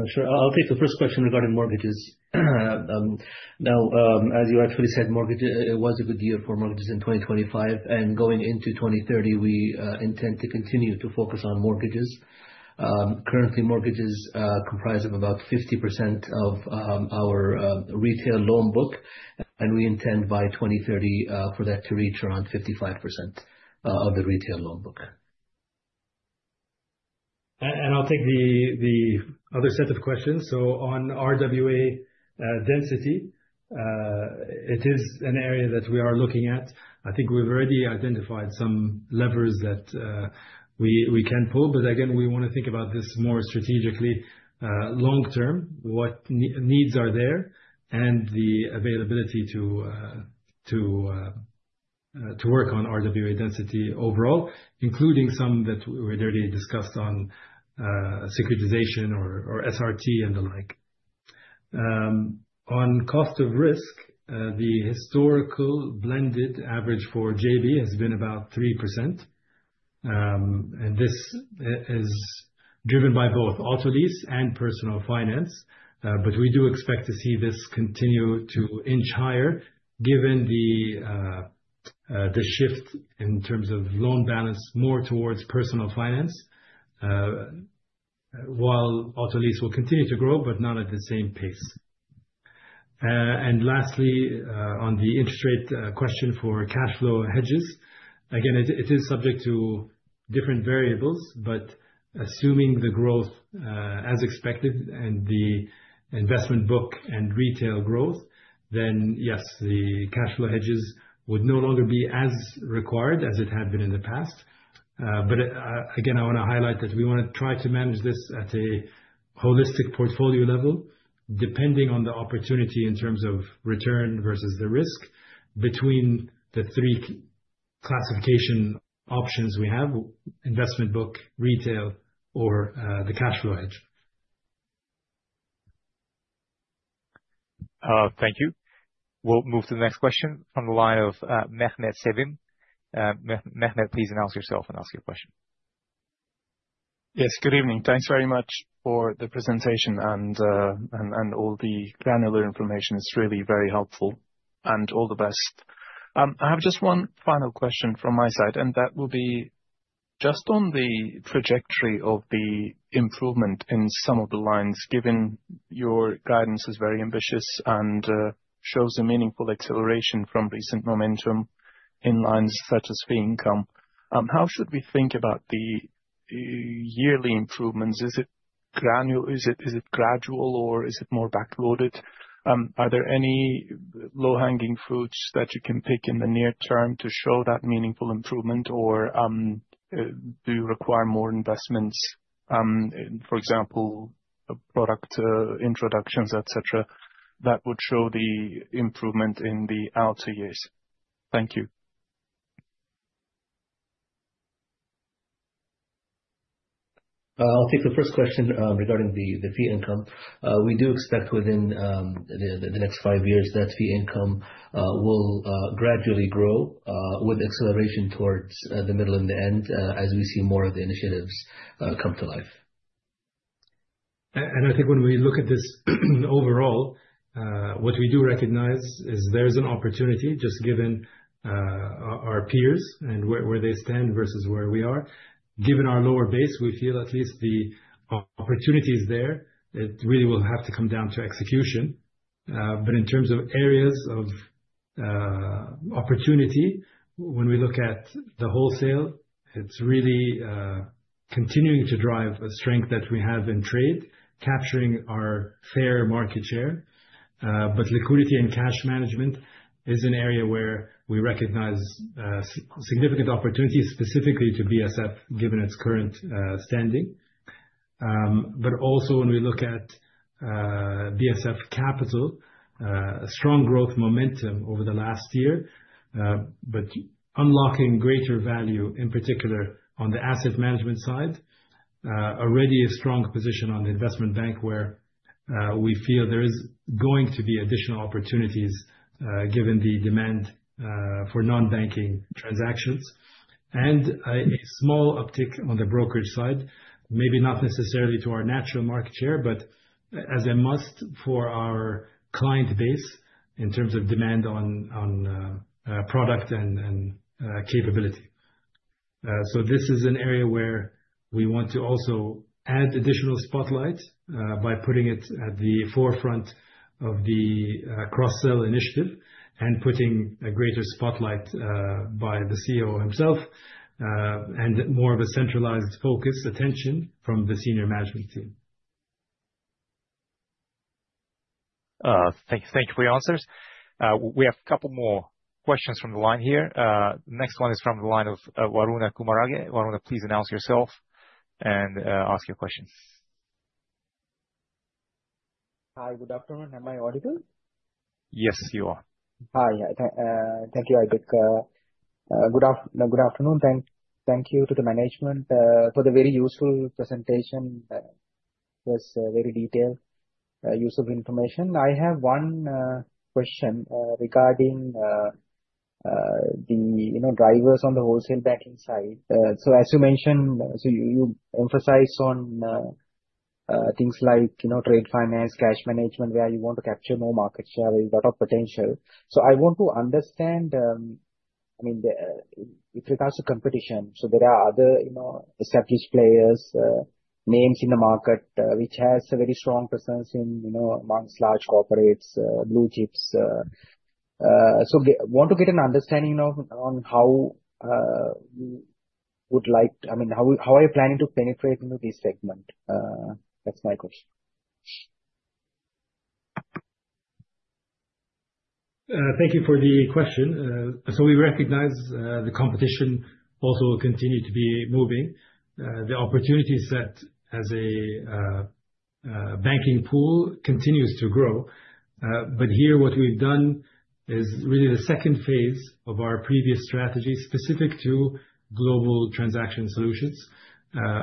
Sure. I'll take the first question regarding mortgages. As you actually said, it was a good year for mortgages in 2025. Going into 2030, we intend to continue to focus on mortgages. Currently, mortgages comprise of about 50% of our retail loan book, and we intend by 2030 for that to reach around 55% of the retail loan book. I'll take the other set of questions. On RWA density, it is an area that we are looking at. I think we've already identified some levers that we can pull. Again, we want to think about this more strategically, long term. What needs are there, and the availability to work on RWA density overall, including some that we already discussed on securitization or SRT and the like. On cost of risk, the historical blended average for JANA has been about 3%, and this is driven by both auto lease and personal finance. We do expect to see this continue to inch higher given the shift in terms of loan balance more towards personal finance. While auto lease will continue to grow, but not at the same pace. Lastly, on the interest rate question for cash flow hedges. Again, it is subject to different variables, assuming the growth as expected and the investment book and retail growth, then yes, the cash flow hedges would no longer be as required as it had been in the past. Again, I want to highlight that we want to try to manage this at a holistic portfolio level, depending on the opportunity in terms of return versus the risk between the 3 classification options we have, investment book, retail, or the cash flow hedge. Thank you. We'll move to the next question from the line of Mehmet Sevim. Mehmet, please announce yourself and ask your question. Yes, good evening. Thanks very much for the presentation and all the granular information. It's really very helpful, and all the best. I have just one final question from my side, and that will be just on the trajectory of the improvement in some of the lines, given your guidance is very ambitious and shows a meaningful acceleration from recent momentum in lines such as fee income. How should we think about the yearly improvements? Is it gradual or is it more back-loaded? Are there any low-hanging fruits that you can pick in the near term to show that meaningful improvement, or do you require more investments? For example, product introductions, et cetera, that would show the improvement in the outer years. Thank you. I'll take the first question regarding the fee income. We do expect within the next five years that fee income will gradually grow with acceleration towards the middle and the end as we see more of the initiatives come to life. I think when we look at this overall, what we do recognize is there is an opportunity, just given our peers and where they stand versus where we are. Given our lower base, we feel at least the opportunity is there. It really will have to come down to execution. In terms of areas of opportunity, when we look at the wholesale, it's really continuing to drive a strength that we have in trade, capturing our fair market share. Liquidity and cash management is an area where we recognize significant opportunities specifically to BSF, given its current standing. Also when we look at BSF Capital, strong growth momentum over the last year, unlocking greater value, in particular on the asset management side. Already a strong position on the investment bank where we feel there is going to be additional opportunities given the demand for non-banking transactions. A small uptick on the brokerage side, maybe not necessarily to our natural market share, but as a must for our client base in terms of demand on product and capability. This is an area where we want to also add additional spotlight by putting it at the forefront of the cross-sell initiative and putting a greater spotlight by the CEO himself, and more of a centralized focus attention from the senior management team. Thank you for your answers. We have a couple more questions from the line here. Next one is from the line of Varuna Kumarage. Varuna, please announce yourself and ask your questions. Hi. Good afternoon. Am I audible? Yes, you are. Hi. Thank you. Good afternoon. Thank you to the management for the very useful presentation. It was very detailed, useful information. I have one question regarding the drivers on the wholesale banking side. As you mentioned, you emphasize on things like trade finance, cash management, where you want to capture more market share with a lot of potential. I want to understand with regards to competition, there are other established players, names in the market, which has a very strong presence amongst large corporates, blue chips. I want to get an understanding on how you are planning to penetrate into this segment. That's my question. Thank you for the question. We recognize the competition also will continue to be moving. The opportunities that as a banking pool continues to grow. Here what we've done is really the second phase of our previous strategy specific to Global Transaction Solutions.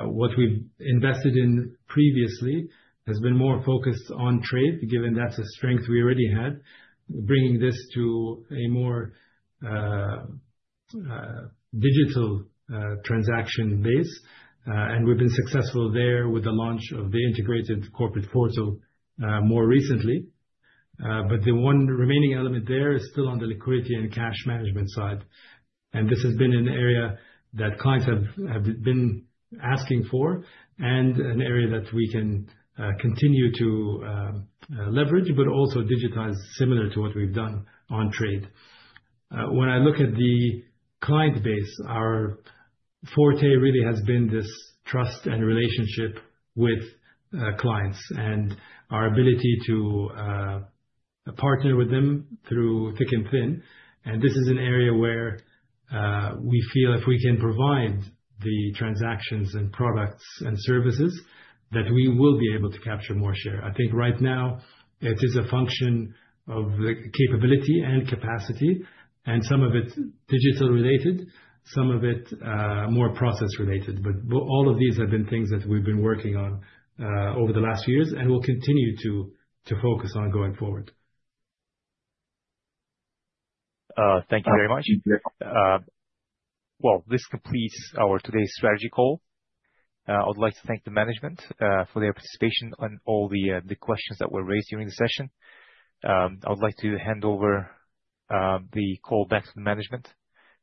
What we've invested in previously has been more focused on trade, given that's a strength we already had, bringing this to a more digital transaction base. We've been successful there with the launch of the integrated corporate portal more recently. The one remaining element there is still on the liquidity and cash management side. This has been an area that clients have been asking for and an area that we can continue to leverage but also digitize similar to what we've done on trade. When I look at the client base, our forte really has been this trust and relationship with clients and our ability to partner with them through thick and thin. This is an area where we feel if we can provide the transactions and products and services, that we will be able to capture more share. I think right now it is a function of the capability and capacity, and some of it digital related, some of it more process related. All of these have been things that we've been working on over the last years and will continue to focus on going forward. Thank you very much. Well, this completes our today's strategy call. I would like to thank the management for their participation on all the questions that were raised during the session. I would like to hand over the call back to management,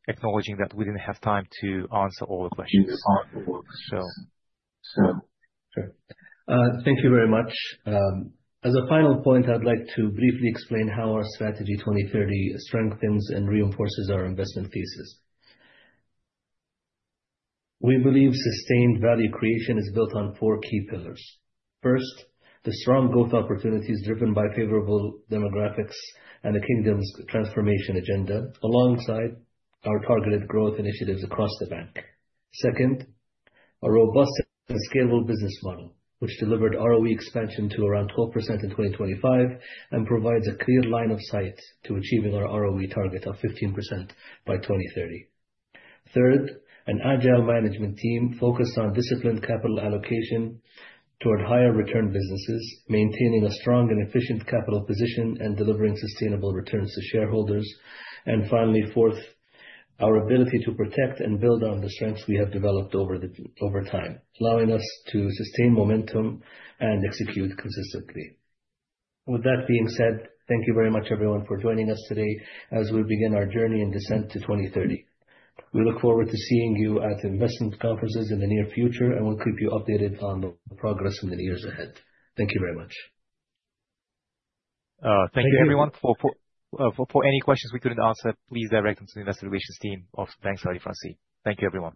acknowledging that we didn't have time to answer all the questions on the call. Thank you very much. As a final point, I'd like to briefly explain how our Strategy 2030 strengthens and reinforces our investment thesis. We believe sustained value creation is built on four key pillars. First, the strong growth opportunities driven by favorable demographics and the Kingdom's transformation agenda, alongside our targeted growth initiatives across the bank. Second, a robust and scalable business model, which delivered ROE expansion to around 12% in 2025 and provides a clear line of sight to achieving our ROE target of 15% by 2030. Third, an agile management team focused on disciplined capital allocation toward higher return businesses, maintaining a strong and efficient capital position, and delivering sustainable returns to shareholders. Finally, fourth, our ability to protect and build on the strengths we have developed over time, allowing us to sustain momentum and execute consistently. With that being said, thank you very much, everyone, for joining us today as we begin our journey and descent to 2030. We look forward to seeing you at investment conferences in the near future, and we'll keep you updated on the progress in the years ahead. Thank you very much. Thank you everyone. For any questions we couldn't answer, please direct them to the investor relations team of Banque Saudi Fransi. Thank you, everyone.